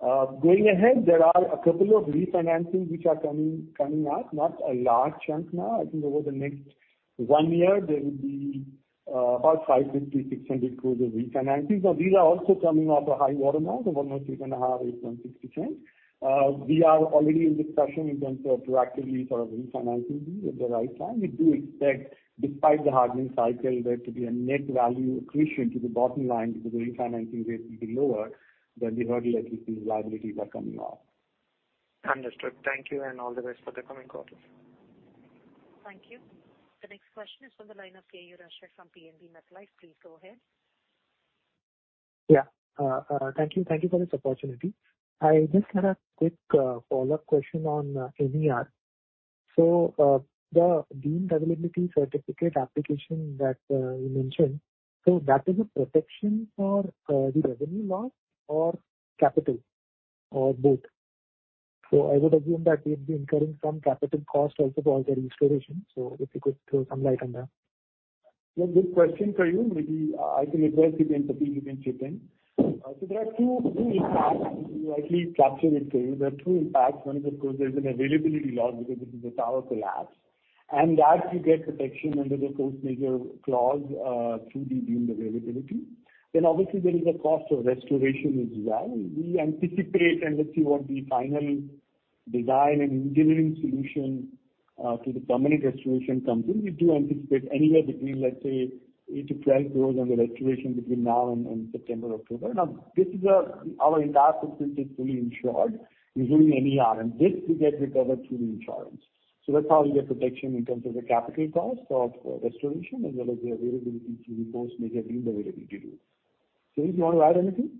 Speaker 3: Going ahead, there are a couple of refinancings which are coming up, not a large chunk now. I think over the next one year there will be about 550-600 crores of refinancing. So these are also coming off a high water mark of almost 8.5, 8.60%. We are already in discussion in terms of proactively sort of refinancing these at the right time. We do expect despite the hardening cycle there to be a net value accretion to the bottom line because the refinancing rates will be lower than the regular EPC liabilities are coming off.
Speaker 13: Understood. Thank you and all the best for the coming quarters.
Speaker 1: Thank you. The next question is from the line of K.U. Rashid from PNB MetLife. Please go ahead.
Speaker 14: Yeah. Thank you for this opportunity. I just had a quick follow-up question on NER. The deemed availability certificate application that you mentioned, so that is a protection for the revenue loss or capital or both? I would assume that we'd be incurring some capital cost also for the restoration. If you could throw some light on that.
Speaker 3: Yeah, good question. Maybe I can address it and, Satish, you can chip in.
Speaker 4: There are two impacts. Let me capture it for you. There are two impacts. One is, of course, there's an availability loss because this is a tower collapse, and that you get protection under the force majeure clause through the deemed availability. Obviously there is a cost of restoration as well. We anticipate, and let's see what the final design and engineering solution to the permanent restoration comes in. We do anticipate anywhere between, let's say, 8 crore-12 crore under restoration between now and September-October. Our entire system is fully insured including NER, and this we get recovered through the insurance.
Speaker 3: That's how we get protection in terms of the capital cost of restoration as well as the availability through the force majeure deemed availability route. K.U., do you want to add anything?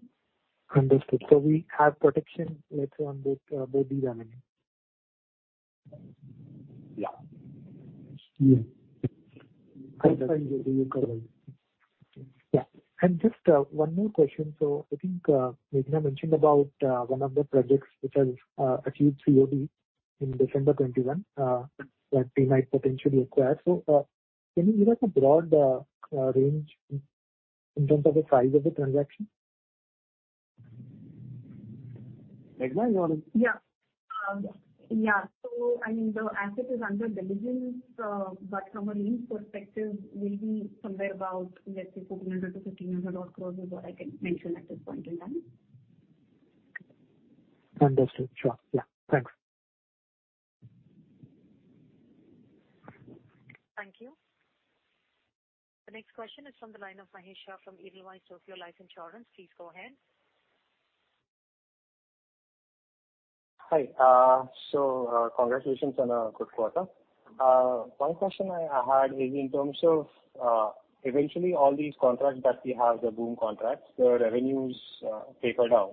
Speaker 3: Understood. We have protection, let's say, on both the revenue. Yeah.
Speaker 11: Yeah.
Speaker 3: That will be recovered.
Speaker 14: Yeah. Just one more question. I think Meghana mentioned about one of the projects which has achieved COD in December 2021, that we might potentially acquire. Can you give us a broad range in terms of the size of the transaction?
Speaker 3: Meghana, you want to-
Speaker 6: I mean, the asset is under due diligence, but from a lease perspective will be somewhere about, let's say, 1,200 crore-1,500 crore is what I can mention at this point in time.
Speaker 14: Understood. Sure. Yeah. Thanks.
Speaker 1: Thank you. The next question is from the line of Rashesh Shah from Edelweiss Tokio Life Insurance. Please go ahead.
Speaker 15: Hi. Congratulations on a good quarter. One question I had is in terms of eventually all these contracts that we have, the BOOM contracts, the revenues taper down.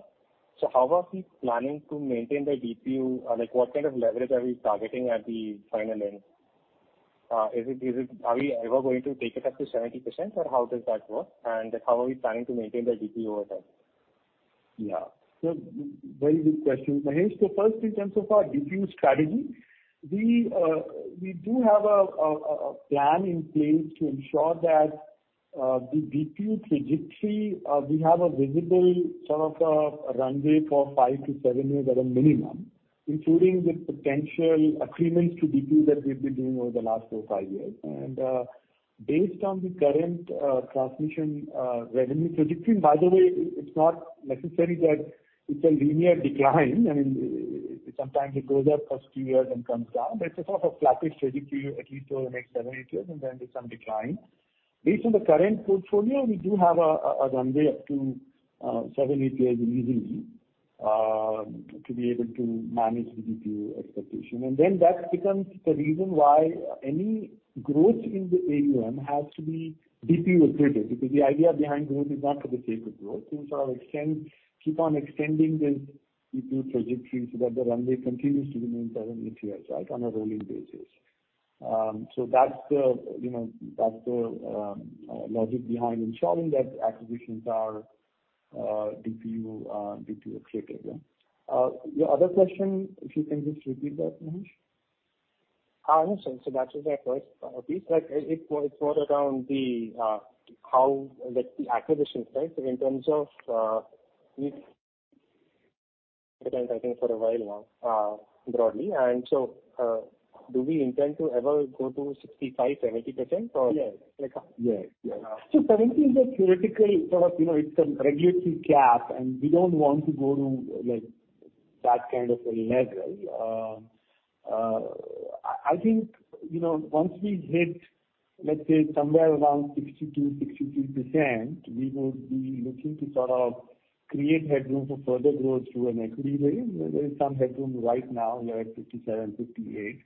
Speaker 15: How are we planning to maintain the DPU? Like, what kind of leverage are we targeting at the final end? Are we ever going to take it up to 70%, or how does that work? How are we planning to maintain the DPU over time?
Speaker 3: Yeah. Very good question, Rashesh. First, in terms of our DPU strategy, we do have a plan in place to ensure that the DPU trajectory, we have a visible sort of runway for five to seven years at a minimum, including the potential accretions to DPU that we've been doing over the last four to five years. Based on the current transmission revenue trajectory, by the way, it's not necessary that it's a linear decline. I mean, sometimes it goes up for a few years, then comes down. It's a sort of flattish trajectory at least over the next seven to eight years, and then there's some decline. Based on the current portfolio, we do have a runway up to seven to eight years easily to be able to manage the DPU expectation. That becomes the reason why any growth in the AUM has to be DPU accretive, because the idea behind growth is not for the sake of growth. It's to sort of extend, keep on extending this DPU trajectory so that the runway continues to remain seven, eight years, right, on a rolling basis. That's the, you know, logic behind ensuring that acquisitions are DPU accretive. Yeah. Your other question, if you can just repeat that, Rashesh.
Speaker 15: No, sir. That was my first piece. Like, it's more around the how, like the acquisitions, right? In terms of, we've for a while now, broadly. Do we intend to ever go to 65%-70% or-
Speaker 3: Yes. Yes. 70 is a theoretical sort of, you know, it's a regulatory cap, and we don't want to go to, like, that kind of a level. I think, you know, once we hit, let's say somewhere around 62%-63%, we would be looking to sort of create headroom for further growth through an equity raise. There is some headroom right now. We are at 57%-58%.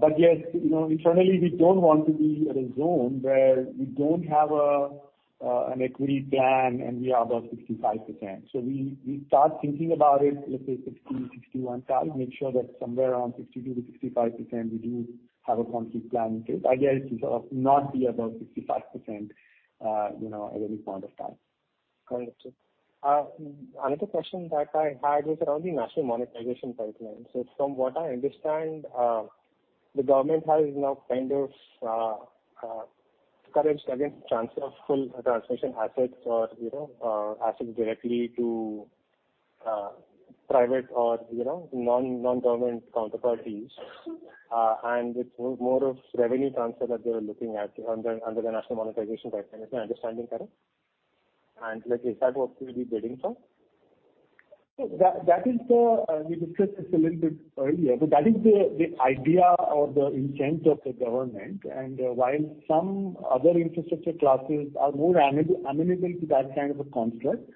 Speaker 3: But yes, you know, internally, we don't want to be at a zone where we don't have a, an equity plan, and we are above 65%. We start thinking about it, let's say 60%-61%, make sure that somewhere around 62%-65% we do have a concrete plan in place. The idea is to sort of not be above 65%, you know, at any point of time.
Speaker 15: Correct. Another question that I had was around the National Monetization Pipeline. From what I understand, the government has now kind of encouraged against transfer of full transmission assets or, you know, assets directly to private or, you know, non-government counterparties, and it's more of revenue transfer that they're looking at under the National Monetization Pipeline. Is my understanding correct? And like, is that what we'll be bidding for?
Speaker 3: That is the, we discussed this a little bit earlier, but that is the idea or the intent of the government. While some other infrastructure classes are more amenable to that kind of a construct,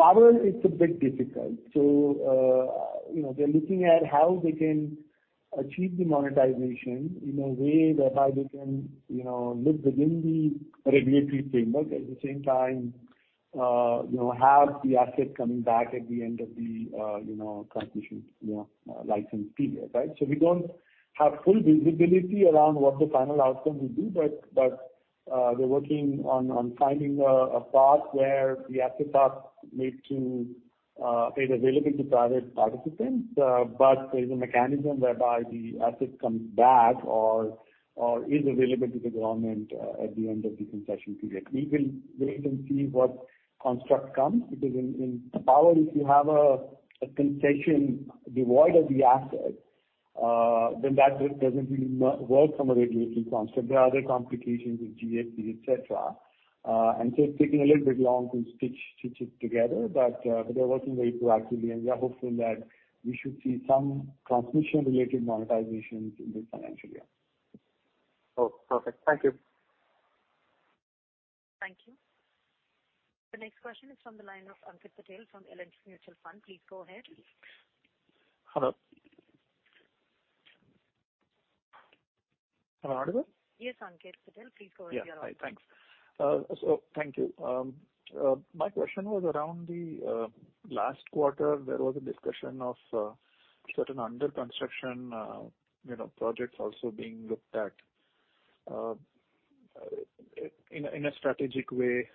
Speaker 3: power is a bit difficult. You know, they're looking at how they can achieve the monetization in a way whereby they can, you know, live within the regulatory framework. At the same time, you know, have the asset coming back at the end of the, you know, transmission, you know, license period, right? We don't have full visibility around what the final outcome will be, but they're working on finding a path where the assets are made available to private participants. There's a mechanism whereby the asset comes back or is available to the government at the end of the concession period. We will wait and see what construct comes, because in power, if you have a concession devoid of the asset, then that just doesn't really work from a regulatory construct. There are other complications with GST, et cetera. It's taking a little bit long to stitch it together. They're working very proactively, and we are hopeful that we should see some transmission-related monetizations in this financial year.
Speaker 15: Oh, perfect. Thank you.
Speaker 1: Thank you. The next question is from the line of Ankit Patel from L&T Mutual Fund. Please go ahead.
Speaker 16: Hello? Am I audible?
Speaker 1: Yes, Ankit Patel. Please go ahead. You're on.
Speaker 16: Yeah. Hi. Thanks. Thank you. My question was around the last quarter there was a discussion of certain under construction you know projects also being looked at in a strategic way.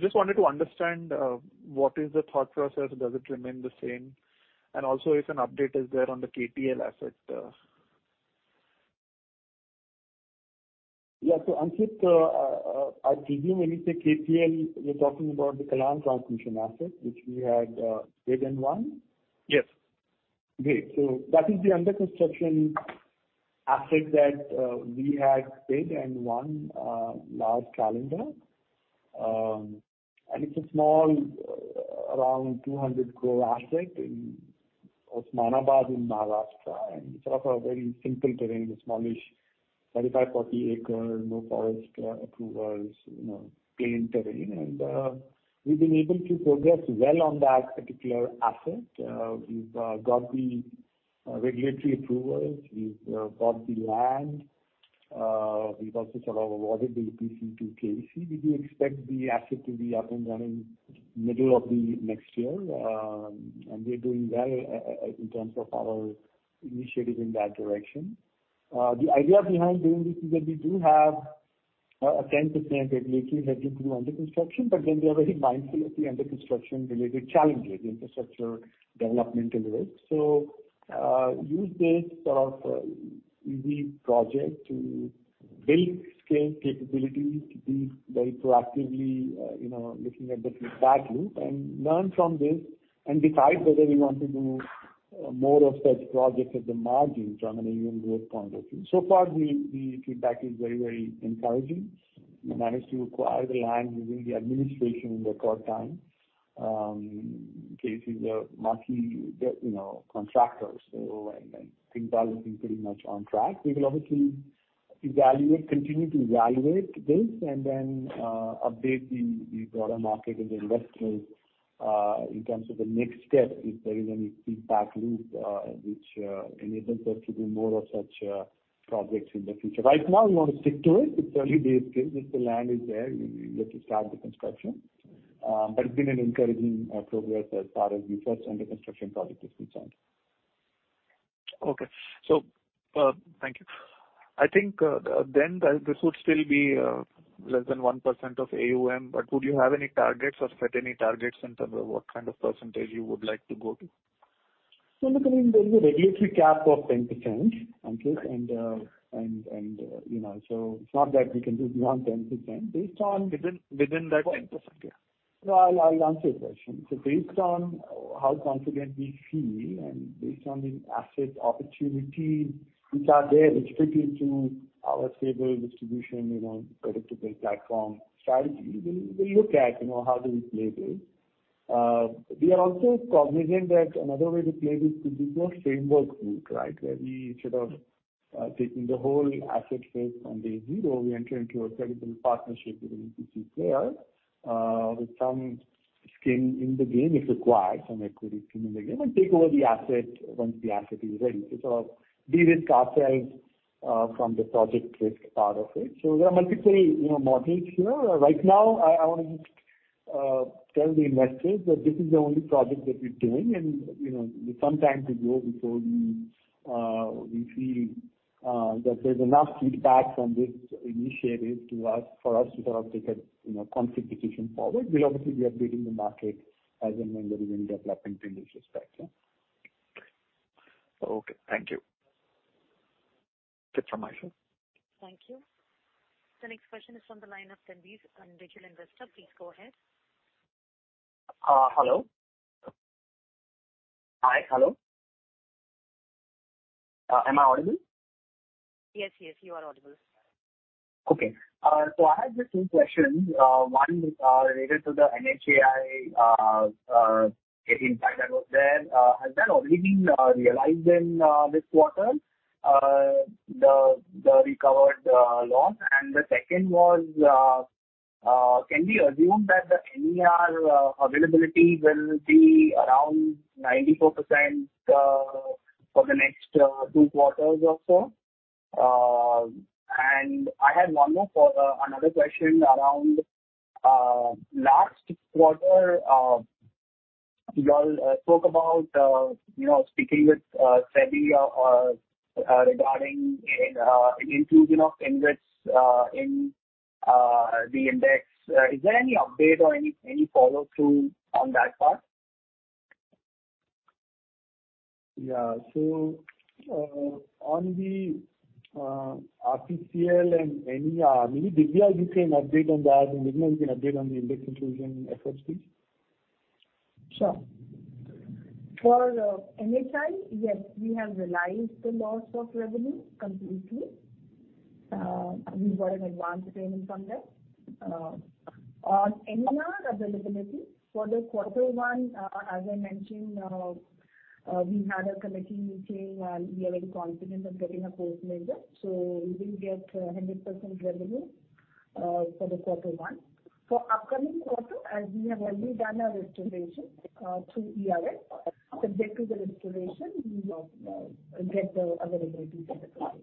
Speaker 16: Just wanted to understand what is the thought process. Does it remain the same? Also if an update is there on the KTL asset.
Speaker 3: Yeah. Ankit, I presume when you say KTL, you're talking about the Khargone transmission asset, which we had bid and won.
Speaker 16: Yes.
Speaker 3: Great. That is the under construction asset that we had bid and won last calendar. It's a small, around 200 crore asset in Osmanabad in Maharashtra, and it's sort of a very simple terrain, a smallish 35 acre-40 acre, no forest approvals, you know, plain terrain. We've been able to progress well on that particular asset. We've got the regulatory approvals. We've bought the land. We've also sort of awarded the EPC to KEC. We do expect the asset to be up and running middle of the next year. We are doing well in terms of our initiative in that direction. The idea behind doing this is that we do have a 10% regulatory headroom to do under construction, but then we are very mindful of the under construction related challenges, infrastructure developmental risks. Use this sort of easy project to build scale capabilities, to be very proactively, you know, looking at the feedback loop and learn from this and decide whether we want to do more of such projects at the margins from an AUM growth point of view. So far the feedback is very, very encouraging. We managed to acquire the land using the administration in a short time. KEC is a marquee, you know, contractor, so and things are looking pretty much on track. We will obviously evaluate, continue to evaluate this and then update the broader market and the investors in terms of the next step, if there is any feedback loop which enables us to do more of such projects in the future. Right now we want to stick to it. It's early days still. If the land is there, we look to start the construction. But it's been an encouraging progress as far as the first under construction project is concerned.
Speaker 16: Okay. Thank you. I think, then this would still be less than 1% of AUM, but would you have any targets or set any targets in terms of what kind of percentage you would like to go to?
Speaker 3: Look, I mean, there is a regulatory cap of 10%, Ankit, and you know, so it's not that we can do beyond 10% based on-
Speaker 16: Within that 10%, yeah.
Speaker 3: No, I'll answer your question. Based on how confident we feel and based on the asset opportunity which are there specific to our stable distribution, you know, predictable platform strategy, we'll look at, you know, how do we play this. We are also cognizant that another way to play this could be more Framework route, right? Where we sort of taking the whole asset space from day zero, we enter into a credible partnership with an EPC player, with some skin in the game if required, some equity skin in the game, and take over the asset once the asset is ready. Sort of de-risk ourselves from the project risk part of it. There are multiple, you know, models here. Right now I wanna tell the investors that this is the only project that we're doing and, you know, there's some time to go before we feel that there's enough feedback from this initiative to us for us to sort of take a, you know, firm decision forward. We'll obviously be updating the market as and when there is any development in this respect, yeah.
Speaker 16: Okay. Thank you. That's from my side.
Speaker 1: Thank you. The next question is on the line of Sarvesh from Maximal Capital. Please go ahead.
Speaker 12: Hello? Hi. Hello. Am I audible?
Speaker 1: Yes, yes, you are audible.
Speaker 12: Okay. So I have just two questions. One is related to the NHAI impact that was there. Has that already been realized in this quarter, the recovered loans? The second was, can we assume that the NER availability will be around 94% for the next two quarters or so? I had another question around last quarter, you all spoke about, you know, speaking with SEBI regarding inclusion of InvITs in the index. Is there any update or any follow-through on that part?
Speaker 3: Yeah. On the RTCL and NER, maybe Divya, you can update on that, and Divya, you can update on the index inclusion efforts, please.
Speaker 5: Sure. For NHAI, yes, we have realized the loss of revenue completely. We've got an advance payment from them. On NER availability for quarter one, as I mentioned, we had a committee meeting and we are very confident of getting a court order. We will get 100% revenue for quarter one. For upcoming quarter, as we have already done our restoration through ERS, subject to the restoration, we will get the availability for the project.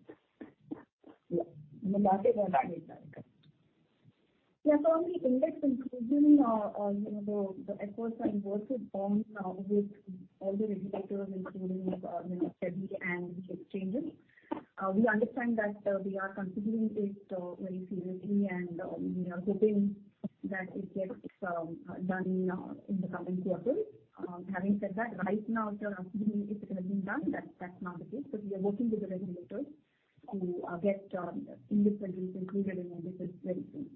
Speaker 5: Yeah. The market will update that. Yeah. On the index inclusion, you know, the efforts are invested in with all the regulators including, you know, SEBI and the exchanges. We understand that they are considering it very seriously and we are hoping that it gets done in the coming quarters. Having said that, right now it doesn't mean it's gonna be done. That's not the case. We are working with the regulators to get index entries included in index very soon.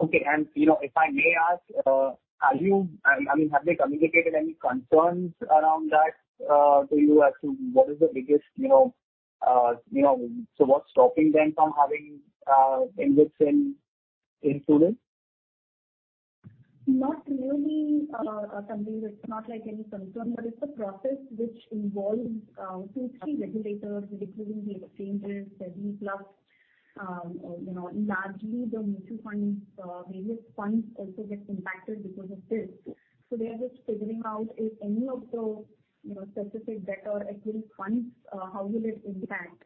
Speaker 12: Okay. You know, if I may ask, I mean, have they communicated any concerns around that to you as to what is the biggest, you know, so what's stopping them from having InvITs included?
Speaker 5: Not really, Sarvesh. It's not like any concern, but it's a process which involves two, three regulators, including the exchanges, SEBI plus, you know, largely the mutual funds, various funds also get impacted because of this. They are just figuring out if any of the, you know, specific debt or equity funds, how will it impact,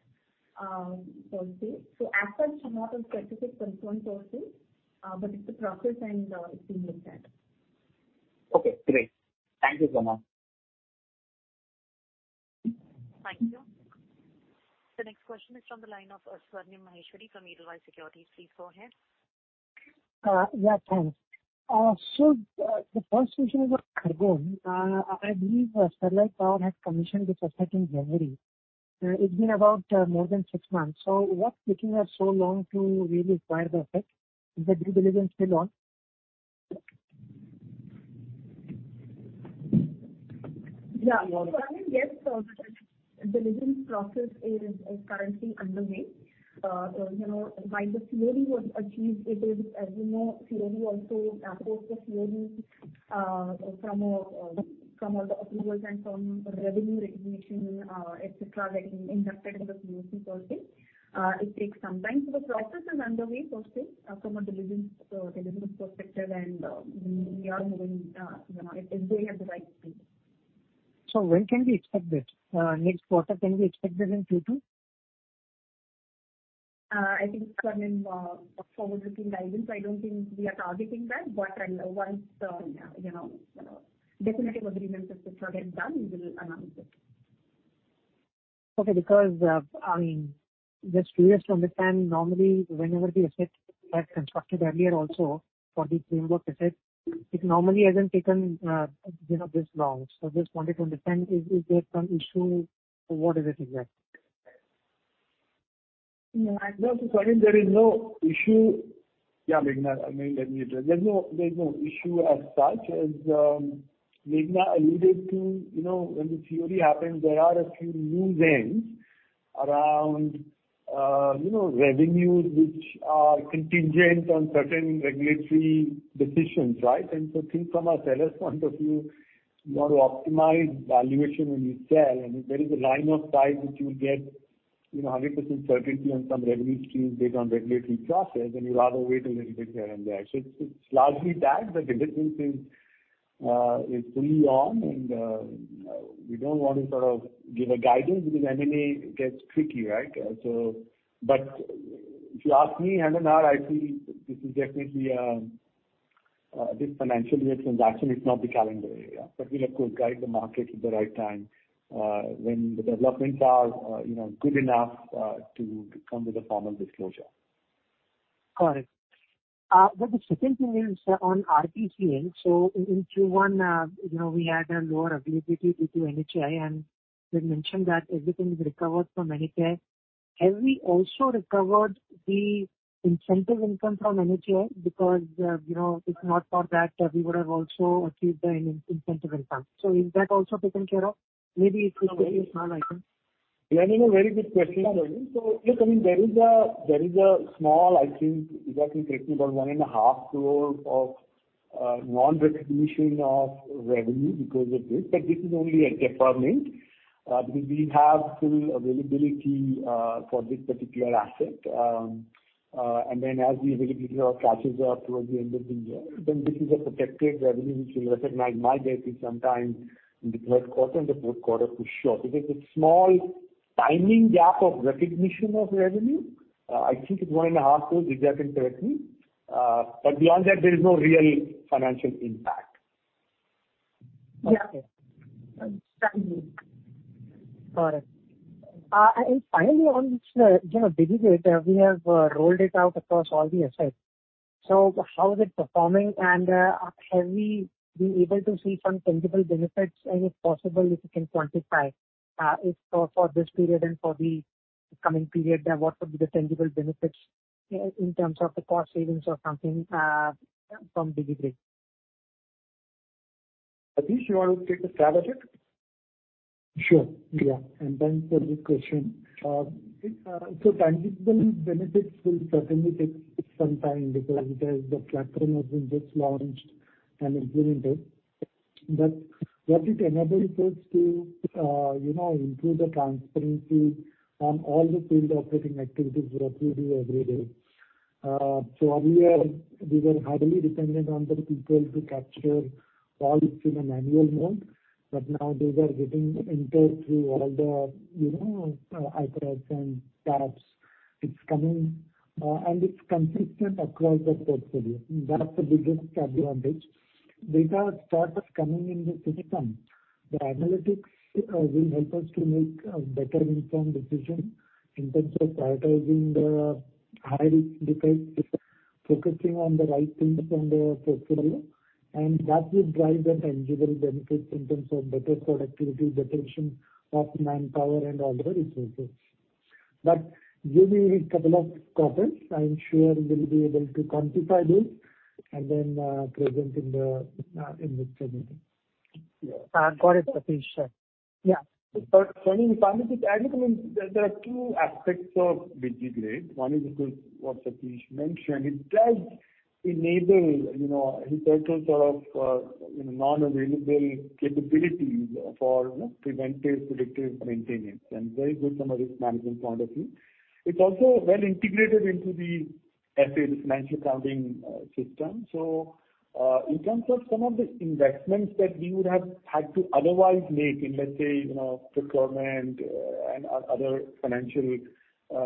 Speaker 5: per se. As such, not a specific concern per se, but it's a process and, it's being looked at.
Speaker 12: Okay, great. Thank you so much.
Speaker 1: Thank you. The next question is from the line of Swarnim Maheshwari from Edelweiss Securities. Please go ahead.
Speaker 2: Yeah, thanks. The first question is on Khargone. I believe Sterlite Power has commissioned the asset in January. It's been about more than six months. What's taking her so long to really acquire the asset? Is the due diligence still on?
Speaker 5: Yeah. I mean, yes, the due diligence process is currently underway. You know, while the COD was achieved, it is, as you know, COD also. Of course the COD from all the approvals and from revenue recognition, et cetera, getting inducted into the CoC per se, it takes some time. The process is underway per se, from a diligence perspective and we are moving, you know, at the right pace.
Speaker 2: When can we expect this? Next quarter, can we expect this in Q2?
Speaker 5: I think, Swarnim, forward-looking guidance, I don't think we are targeting that. Once, you know, definitive agreement with the seller is done, we will announce it.
Speaker 2: I mean, just to understand normally whenever the asset were constructed earlier also for the Framework asset, it normally hasn't taken, you know, this long. So just wanted to understand is there some issue? What is it exactly?
Speaker 3: No, I mean, there is no issue. Yeah, Meghana, I mean, let me address. There's no issue as such. As Meghana alluded to, you know, when the transfer happens, there are a few loose ends around, you know, revenues which are contingent on certain regulatory decisions, right? I think from a seller's point of view, you want to optimize valuation when you sell. If there is a line of sight which you will get, you know, 100% certainty on some revenue stream based on regulatory process, then you'd rather wait a little bit here and there. It's largely that, but the difference is fully on, and we don't want to sort of give a guidance because M&A gets tricky, right? If you ask me, Swarnim, I feel this financial year transaction is not the calendar year. We'll, of course, guide the market at the right time, when the developments are, you know, good enough to come with a formal disclosure.
Speaker 2: Correct. The second thing is on RAPP. In Q1, you know, we had a lower availability due to NHAI, and you had mentioned that everything is recovered from NHAI. Have we also recovered the incentive income from NHAI? Because, you know, if not for that, we would have also achieved the incentive income. Is that also taken care of? Maybe it could be a small item.
Speaker 3: Yeah, I mean, a very good question. Look, I mean, there is a small item, Divya can correct me, about INR 1.5 crore of non-recognition of revenue because of this. This is only a deferment because we have full availability for this particular asset. As the availability accrues towards the end of the year, then this is a protected revenue which we'll recognize, my guess, is sometime in the third quarter and the fourth quarter for sure. It is a small timing gap of recognition of revenue. I think it's 1.5 years, Divya can correct me. Beyond that, there is no real financial impact.
Speaker 2: Yeah. Understanding. Got it. Finally on this, you know, DigiGrid, we have rolled it out across all the assets. How is it performing, and have we been able to see some tangible benefits? If possible, if you can quantify, for this period and for the coming period, what would be the tangible benefits in terms of the cost savings or something from DigiGrid?
Speaker 3: Satish, you want to take a stab at it?
Speaker 4: Sure, yeah. Thanks for the question. Tangible benefits will certainly take some time because the platform has been just launched and implemented. What it enables us to, you know, improve the transparency on all the field operating activities that we do every day. Earlier we were heavily dependent on the people to capture all this in a manual mode, but now these are getting entered through all the, you know, iPads and tabs. It's coming, and it's consistent across the portfolio. That's the biggest advantage. With our partners coming in the system, the analytics will help us to make better informed decision in terms of prioritizing the high-risk defects, focusing on the right things on the portfolio, and that will drive the tangible benefits in terms of better productivity, retention of manpower and other resources. Give me a couple of quarters. I am sure we'll be able to quantify this and then present in this meeting.
Speaker 2: Got it, Satish. Sure. Yeah.
Speaker 3: Sunny, if I may just add, I mean, there are two aspects of DigiGrid. One is with what Satish mentioned. It does enable, you know, entire sort of new capabilities for, you know, preventive, predictive maintenance, and very good from a risk management point of view. It's also well integrated into the SAP's financial accounting system. In terms of some of the investments that we would have had to otherwise make in, let's say, you know, procurement, and other financial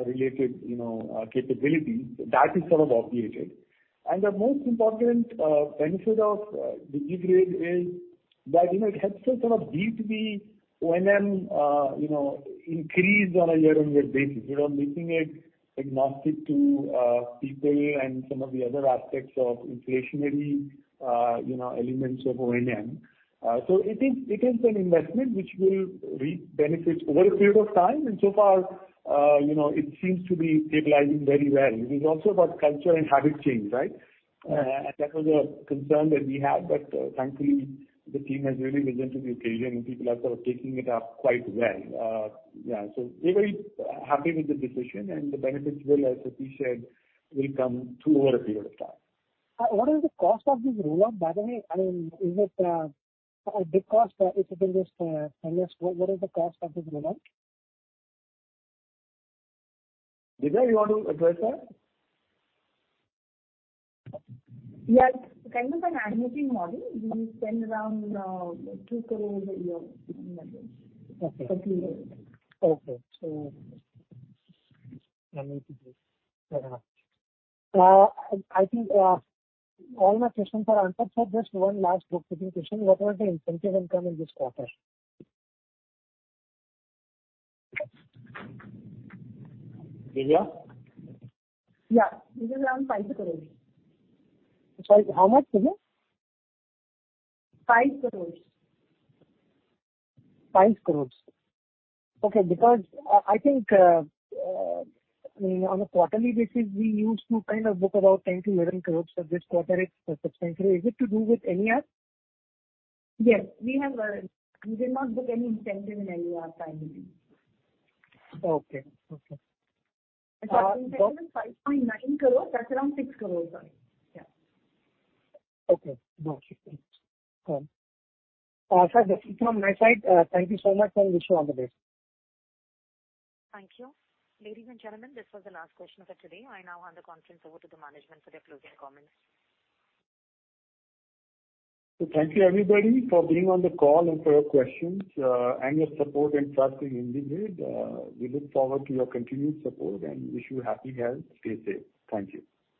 Speaker 3: related, you know, capabilities, that is sort of obviated. The most important benefit of DigiGrid is that, you know, it helps us sort of beat the O&M increase on a year-on-year basis. You know, making it agnostic to people and some of the other aspects of inflationary, you know, elements of O&M. It is an investment which will reap benefits over a period of time. So far, you know, it seems to be stabilizing very well. It is also about culture and habit change, right? That was a concern that we had, but thankfully the team has really risen to the occasion and people are sort of taking it up quite well. Yeah. We're very happy with the decision and the benefits will, as Satish said, come through over a period of time.
Speaker 2: What is the cost of this rollout, by the way? I mean, is it a big cost? If you can just tell us what is the cost of this rollout?
Speaker 3: Divya, you want to address that?
Speaker 5: Yes. It's kind of an annual fee model. We spend around 2 crore a year in that range.
Speaker 2: Okay.
Speaker 5: Complete range.
Speaker 2: Okay. Annual fee. Fair enough. I think all my questions are answered. Just one last nitpicking question. What was the incentive income in this quarter?
Speaker 3: Divya?
Speaker 5: Yeah. It is around INR 5 crores.
Speaker 2: 5. How much again?
Speaker 5: 5 crore.
Speaker 2: 5 crore. Okay. Because, I think, on a quarterly basis, we used to kind of book about 10-11 crore. This quarter is substantially. Is it to do with NER?
Speaker 5: Yes. We did not book any incentive in NER timing.
Speaker 2: Okay. Okay.
Speaker 5: It was INR 5.9 crores. That's around INR 6 crores. Sorry. Yeah.
Speaker 2: Okay. Got it. Thanks. That's it from my side. Thank you so much, and wish you all the best.
Speaker 1: Thank you. Ladies and gentlemen, this was the last question for today. I now hand the conference over to the management for their closing comments.
Speaker 3: Thank you, everybody, for being on the call and for your questions, and your support and trust in IndiGrid. We look forward to your continued support and wish you happy health. Stay safe. Thank you.